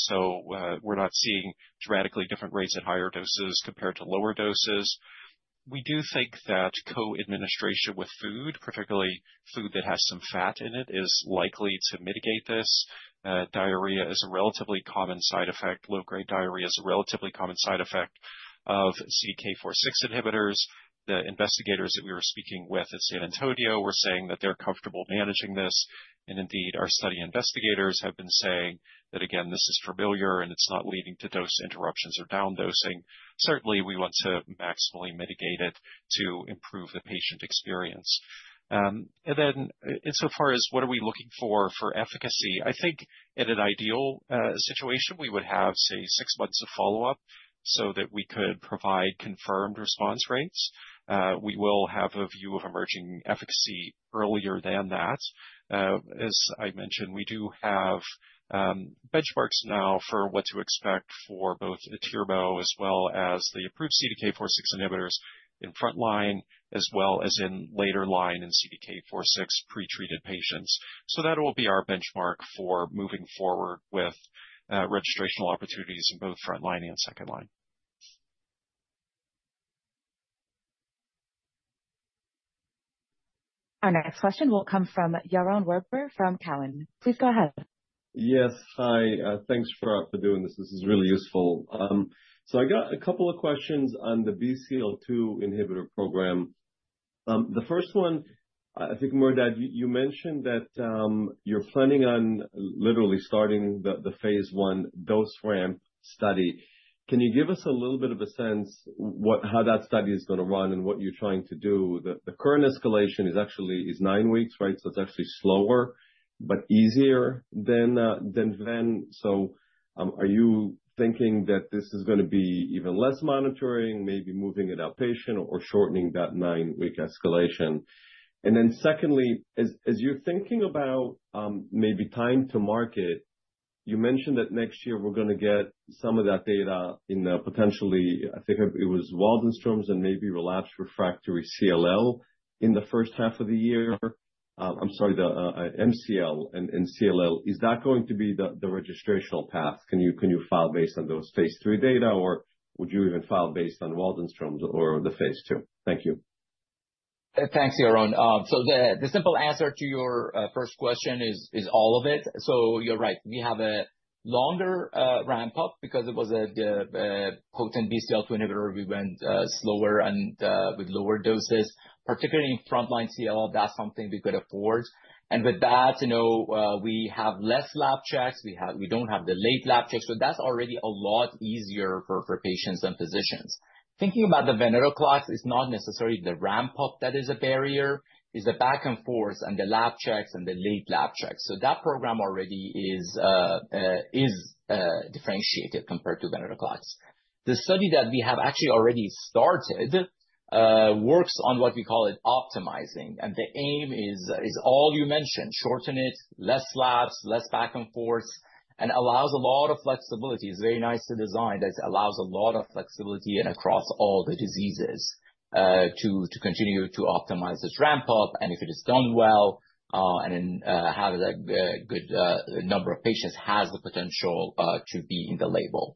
We're not seeing dramatically different rates at higher doses compared to lower doses. We do think that co-administration with food, particularly food that has some fat in it, is likely to mitigate this. Diarrhea is a relatively common side effect. Low-grade diarrhea is a relatively common side effect of CDK4/6 inhibitors. The investigators that we were speaking with at San Antonio were saying that they're comfortable managing this. Indeed, our study investigators have been saying that, again, this is familiar and it's not leading to dose interruptions or down dosing. Certainly, we want to maximally mitigate it to improve the patient experience. Insofar as what are we looking for efficacy, I think in an ideal situation, we would have, say, six months of follow-up so that we could provide confirmed response rates. We will have a view of emerging efficacy earlier than that. As I mentioned, we do have benchmarks now for what to expect for both the TRBO as well as the approved CDK4/6 inhibitors in front line, as well as in later line in CDK4/6 pretreated patients. So that will be our benchmark for moving forward with registrational opportunities in both front line and second line. Our next question will come from Yaron Werber from Cowen. Please go ahead. Yes. Hi. Thanks for doing this. This is really useful. So I got a couple of questions on the BCL2 inhibitor program. The first one, I think, Mehrdad, you mentioned that you're planning on literally starting the phase I dose ramp study. Can you give us a little bit of a sense of how that study is going to run and what you're trying to do? The current escalation is actually nine weeks, right? So it's actually slower, but easier than then. So are you thinking that this is going to be even less monitoring, maybe moving it outpatient or shortening that nine-week escalation? And then secondly, as you're thinking about maybe time to market, you mentioned that next year we're going to get some of that data in potentially, I think it was Waldenström's and maybe relapsed refractory CLL in the first half of the year. I'm sorry, the MCL and CLL. Is that going to be the registrational path? Can you file based on those phase III data, or would you even file based on Waldenström's or the phase II? Thank you. Thanks, Yaron. So the simple answer to your first question is all of it. So you're right. We have a longer ramp up because it was a potent BCL2 inhibitor. We went slower and with lower doses, particularly in front line CLL. That's something we could afford. And with that, you know, we have less lab checks. We don't have the late lab checks. So that's already a lot easier for patients and physicians. Thinking about the venetoclax, it's not necessarily the ramp up that is a barrier. It's the back and forth and the lab checks and the late lab checks. So that program already is differentiated compared to venetoclax. The study that we have actually already started works on what we call it optimizing. And the aim is all you mentioned, shorten it, less labs, less back and forth, and allows a lot of flexibility. It's very nice to design that allows a lot of flexibility and across all the diseases to continue to optimize this ramp up. And if it is done well and have a good number of patients, it has the potential to be in the label.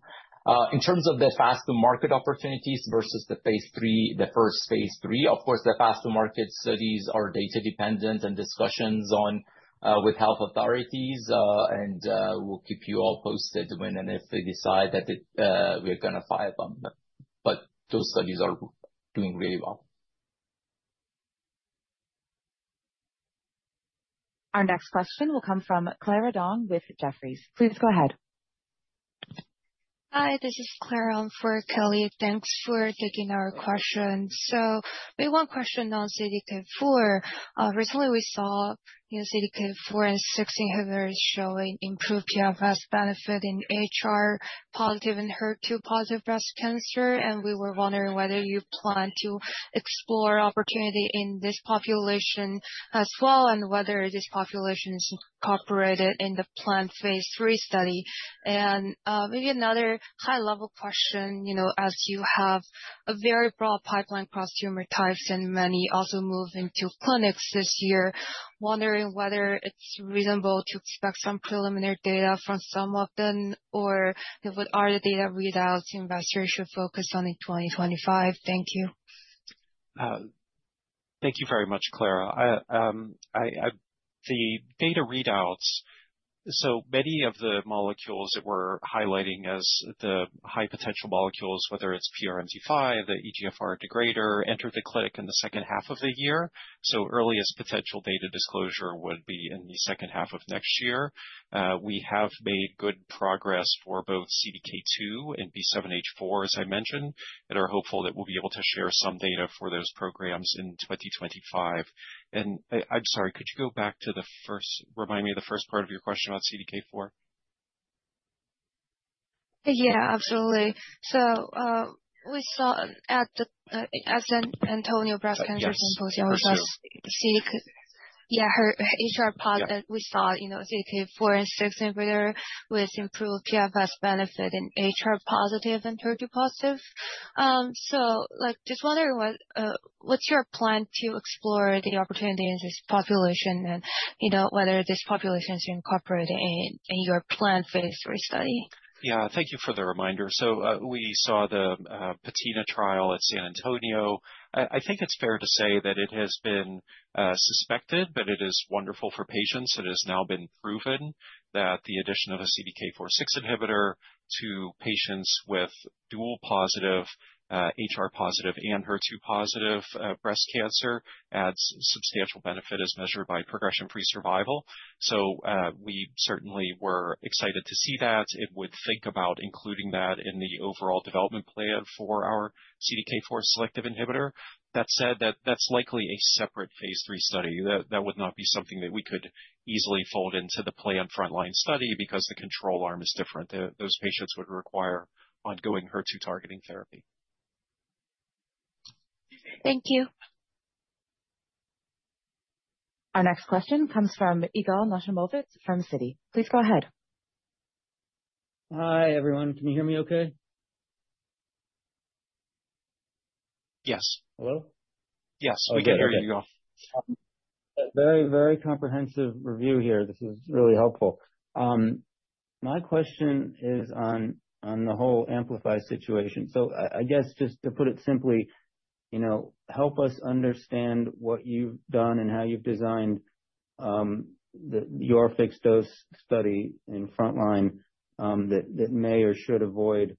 In terms of the fast-to-market opportunities versus the phase III, the first phase III, of course, the fast-to-market studies are data dependent and discussions with health authorities. We'll keep you all posted when and if they decide that we're going to file them. But those studies are doing really well. Our next question will come from Clara Dong with Jefferies. Please go ahead. Hi, this is Clara for Kelly. Thanks for taking our question. So we have one question on CDK4. Recently, we saw CDK4 and six inhibitors showing improved PFS benefit in HR positive and HER2 positive breast cancer. And we were wondering whether you plan to explore opportunity in this population as well and whether this population is incorporated in the planned phase III study. And maybe another high-level question, you know, as you have a very broad pipeline across tumor types and many also move into clinics this year, wondering whether it's reasonable to expect some preliminary data from some of them or what are the data readouts investors should focus on in 2025? Thank you. Thank you very much, Clara. The data readouts, so many of the molecules that we're highlighting as the high potential molecules, whether it's PRMT5, the EGFR degrader, entered the clinic in the second half of the year. So earliest potential data disclosure would be in the second half of next year. We have made good progress for both CDK2 and B7-H4, as I mentioned, and are hopeful that we'll be able to share some data for those programs in 2025. And I'm sorry, could you go back to the first, remind me of the first part of your question about CDK4? Yeah, absolutely. So we saw at the San Antonio Breast Cancer Symposium was just CDK, yeah, HER2 HR-positive that we saw, you know, CDK4 and six inhibitor with improved PFS benefit in HR-positive and HER2-positive. So like just wondering what's your plan to explore the opportunity in this population and, you know, whether this population is incorporated in your planned phase III study? Yeah, thank you for the reminder. So we saw the Patina trial at San Antonio. I think it's fair to say that it has been suspected, but it is wonderful for patients. It has now been proven that the addition of a CDK4/6 inhibitor to patients with dual positive, HR positive, and HER2 positive breast cancer adds substantial benefit as measured by progression-free survival. So we certainly were excited to see that. We would think about including that in the overall development plan for our CDK4 selective inhibitor. That said, that's likely a separate phase III study. That would not be something that we could easily fold into the planned front line study because the control arm is different. Those patients would require ongoing HER2 targeting therapy. Thank you. Our next question comes from Yigal Nochomovitz from Citigroup. Please go ahead. Hi everyone. Can you hear me okay? Yes. Hello? Yes, we can hear you. Very, very comprehensive review here. This is really helpful. My question is on the whole AMPLIFY situation. So I guess just to put it simply, you know, help us understand what you've done and how you've designed your fixed dose study in front line that may or should avoid,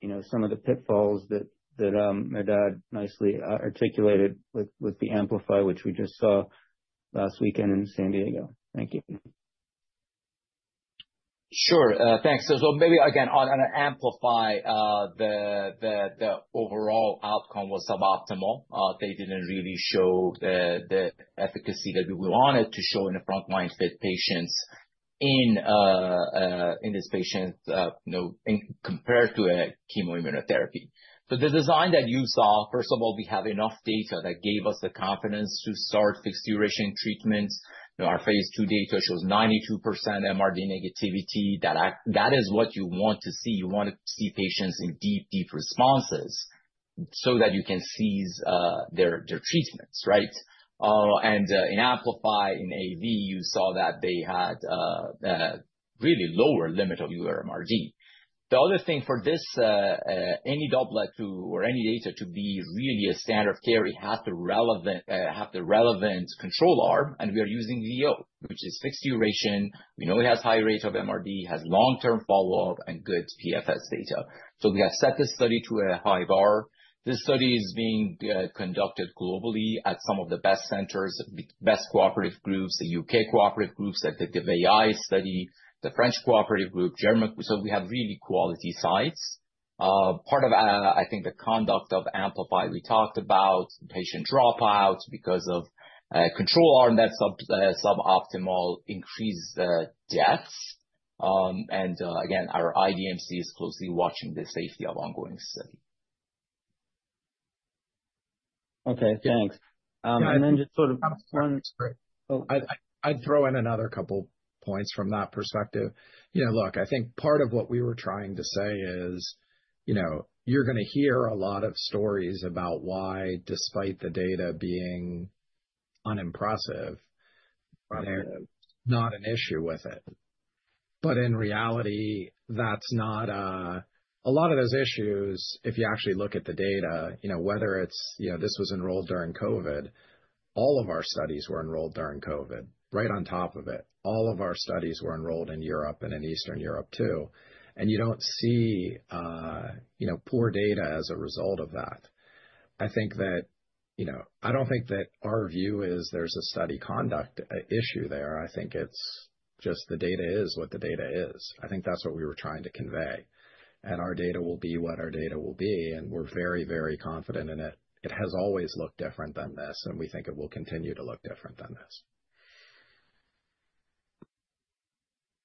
you know, some of the pitfalls that Mehrdad nicely articulated with the AMPLIFY, which we just saw last weekend in San Diego. Thank you. Sure. Thanks. So maybe again, on AMPLIFY, the overall outcome was suboptimal. They didn't really show the efficacy that we wanted to show in the front line fit patients in this patient, you know, compared to a chemoimmunotherapy. So the design that you saw, first of all, we have enough data that gave us the confidence to start fixed duration treatments. Our phase II data shows 92% MRD negativity. That is what you want to see. You want to see patients in deep, deep responses so that you can cease their treatments, right? In AMPLIFY, in AV, you saw that they had a really lower limit of uMRD. The other thing for this, any double or any data to be really a standard of care, it has to have the relevant control arm. We are using VO, which is fixed duration. We know it has a high rate of MRD, has long-term follow-up, and good PFS data. We have set this study to a high bar. This study is being conducted globally at some of the best centers, best cooperative groups, the U.K. cooperative groups that did the VAI study, the French cooperative group, German. We have really quality sites. Part of, I think, the conduct of AMPLIFY, we talked about patient dropouts because of control arm that's suboptimal, increased deaths. Our IDMC is closely watching the safety of ongoing study. Okay, thanks. And then just sort of, I'd throw in another couple points from that perspective. You know, look, I think part of what we were trying to say is, you know, you're going to hear a lot of stories about why, despite the data being unimpressive, there's not an issue with it. But in reality, that's not a lot of those issues, if you actually look at the data, you know, whether it's, you know, this was enrolled during COVID, all of our studies were enrolled during COVID, right on top of it. All of our studies were enrolled in Europe and in Eastern Europe too. And you don't see, you know, poor data as a result of that. I think that, you know, I don't think that our view is there's a study conduct issue there. I think it's just the data is what the data is. I think that's what we were trying to convey. And our data will be what our data will be. And we're very, very confident in it. It has always looked different than this. And we think it will continue to look different than this.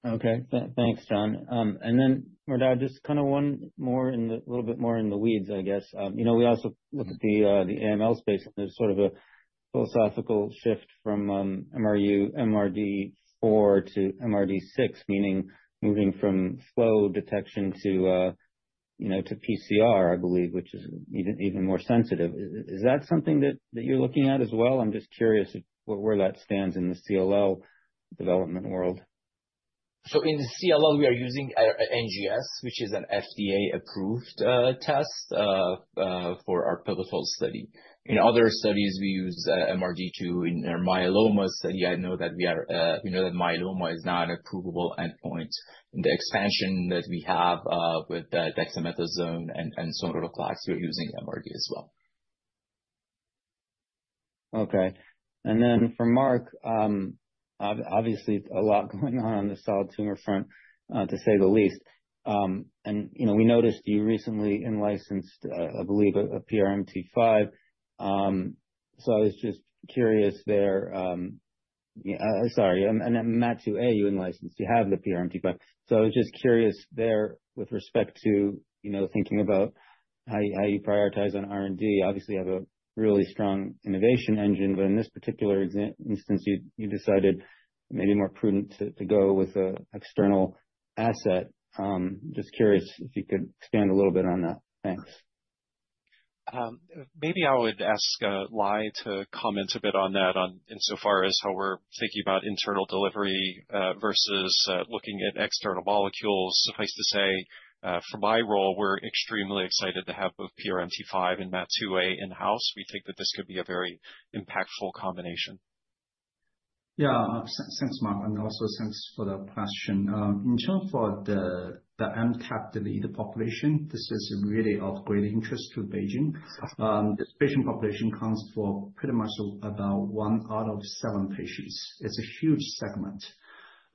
Okay. Thanks, John. And then, Mehrdad, just kind of one more in the little bit more in the weeds, I guess. You know, we also look at the AML space. And there's sort of a philosophical shift from MRD4 to MRD6, meaning moving from flow detection to, you know, to PCR, I believe, which is even more sensitive. Is that something that you're looking at as well? I'm just curious where that stands in the CLL development world. So in the CLL, we are using NGS, which is an FDA-approved test for our pivotal study. In other studies, we use MRD too in our myeloma study. I know that we are, we know that myeloma is not an approvable endpoint. In the expansion that we have with dexamethasone and sonrotoclax, we're using MRD as well. Okay. Then for Mark, obviously, a lot going on on the solid tumor front, to say the least. And, you know, we noticed you recently in-licensed, I believe, a PRMT5. So I was just curious there. Sorry. And MAT2A, you in-licensed. You have the PRMT5. So I was just curious there with respect to, you know, thinking about how you prioritize on R&D. Obviously, you have a really strong innovation engine. But in this particular instance, you decided it may be more prudent to go with an external asset. Just curious if you could expand a little bit on that. Thanks. Maybe I would ask Lai to comment a bit on that insofar as how we're thinking about internal delivery versus looking at external molecules. Suffice to say, for my role, we're extremely excited to have both PRMT5 and MAT2A in-house. We think that this could be a very impactful combination. Yeah, thanks, Mark. And also thanks for the question. In terms of the MTAP deleted population, this is really of great interest to BeiGene. This patient population counts for pretty much about one out of seven patients. It's a huge segment.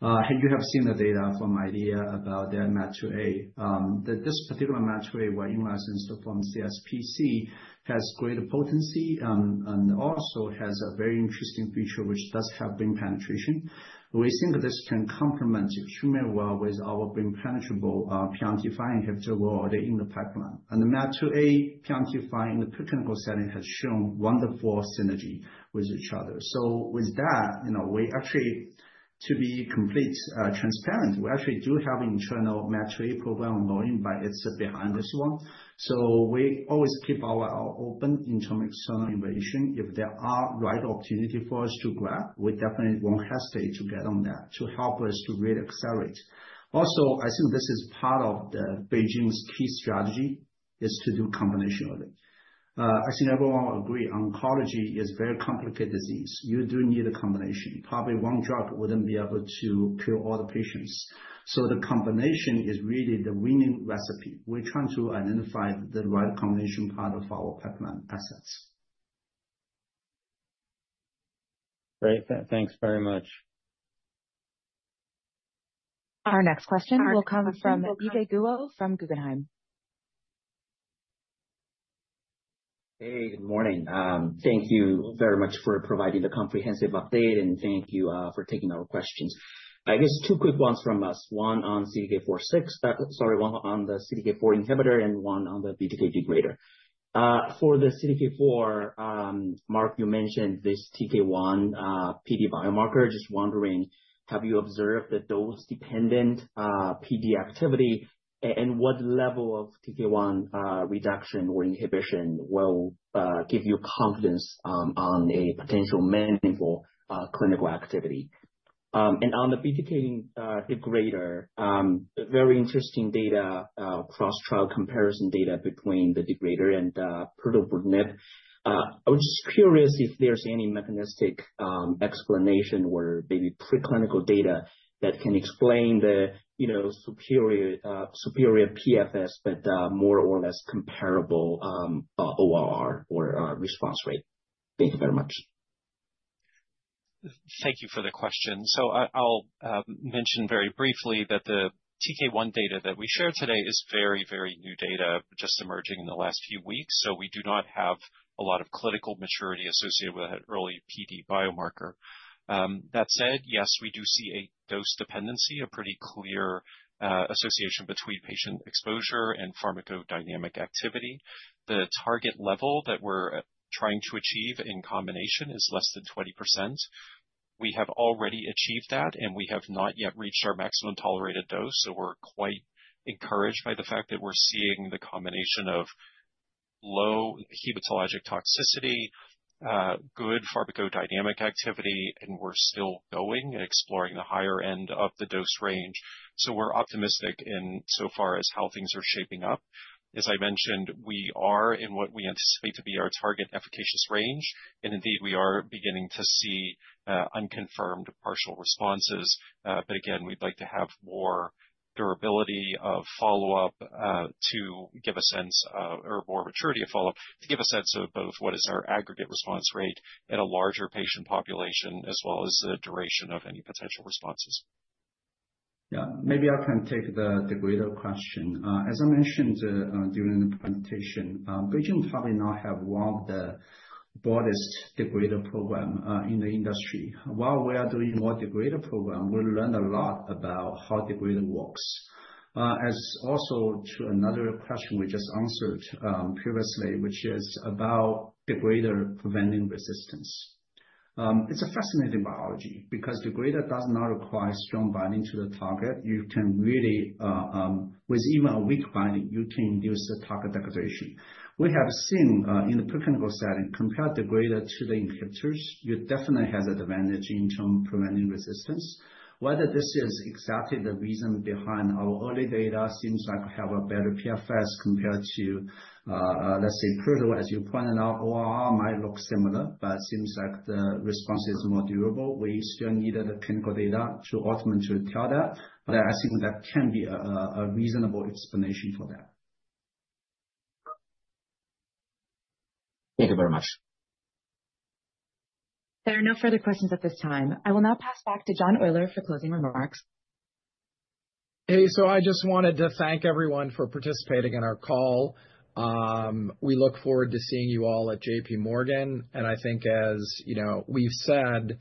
You have seen the data from IDEAYA about their MAT2A. This particular MAT2A, while in-licensed from CSPC, has greater potency and also has a very interesting feature, which does have brain penetration. We think this can complement extremely well with our brain penetrable PRMT5 inhibitor we already have in the pipeline. The MAT2A PRMT5 in the preclinical setting has shown wonderful synergy with each other. With that, you know, we actually, to be completely transparent, we actually do have an internal MAT2A program ongoing, but it's behind this one. We always keep our eye open in terms of external innovation. If there are right opportunities for us to grab, we definitely won't hesitate to get on that to help us to really accelerate. Also, I think this is part of BeiGene's key strategy is to do combination of it. I think everyone will agree oncology is a very complicated disease. You do need a combination. Probably one drug wouldn't be able to cure all the patients. The combination is really the winning recipe. We're trying to identify the right combination part of our pipeline assets. Great. Thanks very much. Our next question will come from Yige Guo from Guggenheim. Hey, good morning. Thank you very much for providing the comprehensive update. And thank you for taking our questions. I guess two quick ones from us. One on CDK4/6, sorry, one on the CDK4 inhibitor and one on the BTK degrader. For the CDK4, Mark, you mentioned this TK1 PD biomarker. Just wondering, have you observed that dose-dependent PD activity and what level of TK1 reduction or inhibition will give you confidence on a potential meaningful clinical activity? And on the BTK degrader, very interesting data, cross-trial comparison data between the degrader and the pivotal ibrutinib. I was just curious if there's any mechanistic explanation or maybe preclinical data that can explain the, you know, superior PFS, but more or less comparable ORR or response rate. Thank you very much. Thank you for the question. So I'll mention very briefly that the TK1 data that we share today is very, very new data, just emerging in the last few weeks. So we do not have a lot of clinical maturity associated with an early PD biomarker. That said, yes, we do see a dose dependency, a pretty clear association between patient exposure and pharmacodynamic activity. The target level that we're trying to achieve in combination is less than 20%. We have already achieved that, and we have not yet reached our maximum tolerated dose. So we're quite encouraged by the fact that we're seeing the combination of low hematologic toxicity, good pharmacodynamic activity, and we're still going and exploring the higher end of the dose range. So we're optimistic in so far as how things are shaping up. As I mentioned, we are in what we anticipate to be our target efficacious range. Indeed, we are beginning to see unconfirmed partial responses. But again, we'd like to have more durability of follow-up to give a sense of, or more maturity of follow-up to give a sense of both what is our aggregate response rate at a larger patient population, as well as the duration of any potential responses. Yeah, maybe I can take the degrader question. As I mentioned during the presentation, BeiGene probably now have one of the broadest degrader programs in the industry. While we are doing more degrader programs, we learned a lot about how degrader works. As also to another question we just answered previously, which is about degrader preventing resistance. It's a fascinating biology because degrader does not require strong binding to the target. You can really, with even a weak binding, you can induce the target degradation. We have seen in the preclinical setting, compared degrader to the inhibitors, you definitely have advantage in terms of preventing resistance. Whether this is exactly the reason behind our early data seems like we have a better PFS compared to, let's say, pivotal, as you pointed out, ORR might look similar, but it seems like the response is more durable. We still needed the clinical data to ultimately tell that. But I think that can be a reasonable explanation for that. Thank you very much. There are no further questions at this time. I will now pass back to John Oyler for closing remarks. Hey, so I just wanted to thank everyone for participating in our call. We look forward to seeing you all at J.P. Morgan. I think, as you know, we've said,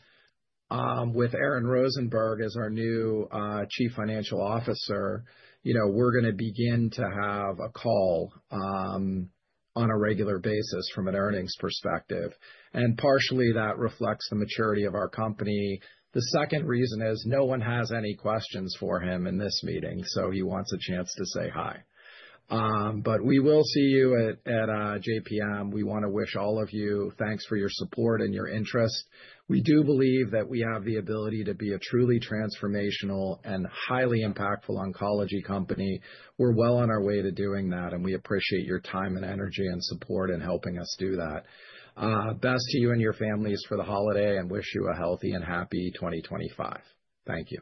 with Aaron Rosenberg as our new Chief Financial Officer, you know, we're going to begin to have a call on a regular basis from an earnings perspective. Partially, that reflects the maturity of our company. The second reason is no one has any questions for him in this meeting, so he wants a chance to say hi. But we will see you at JPM. We want to wish all of you thanks for your support and your interest. We do believe that we have the ability to be a truly transformational and highly impactful oncology company. We're well on our way to doing that, and we appreciate your time and energy and support in helping us do that. Best to you and your families for the holiday, and wish you a healthy and happy 2025. Thank you.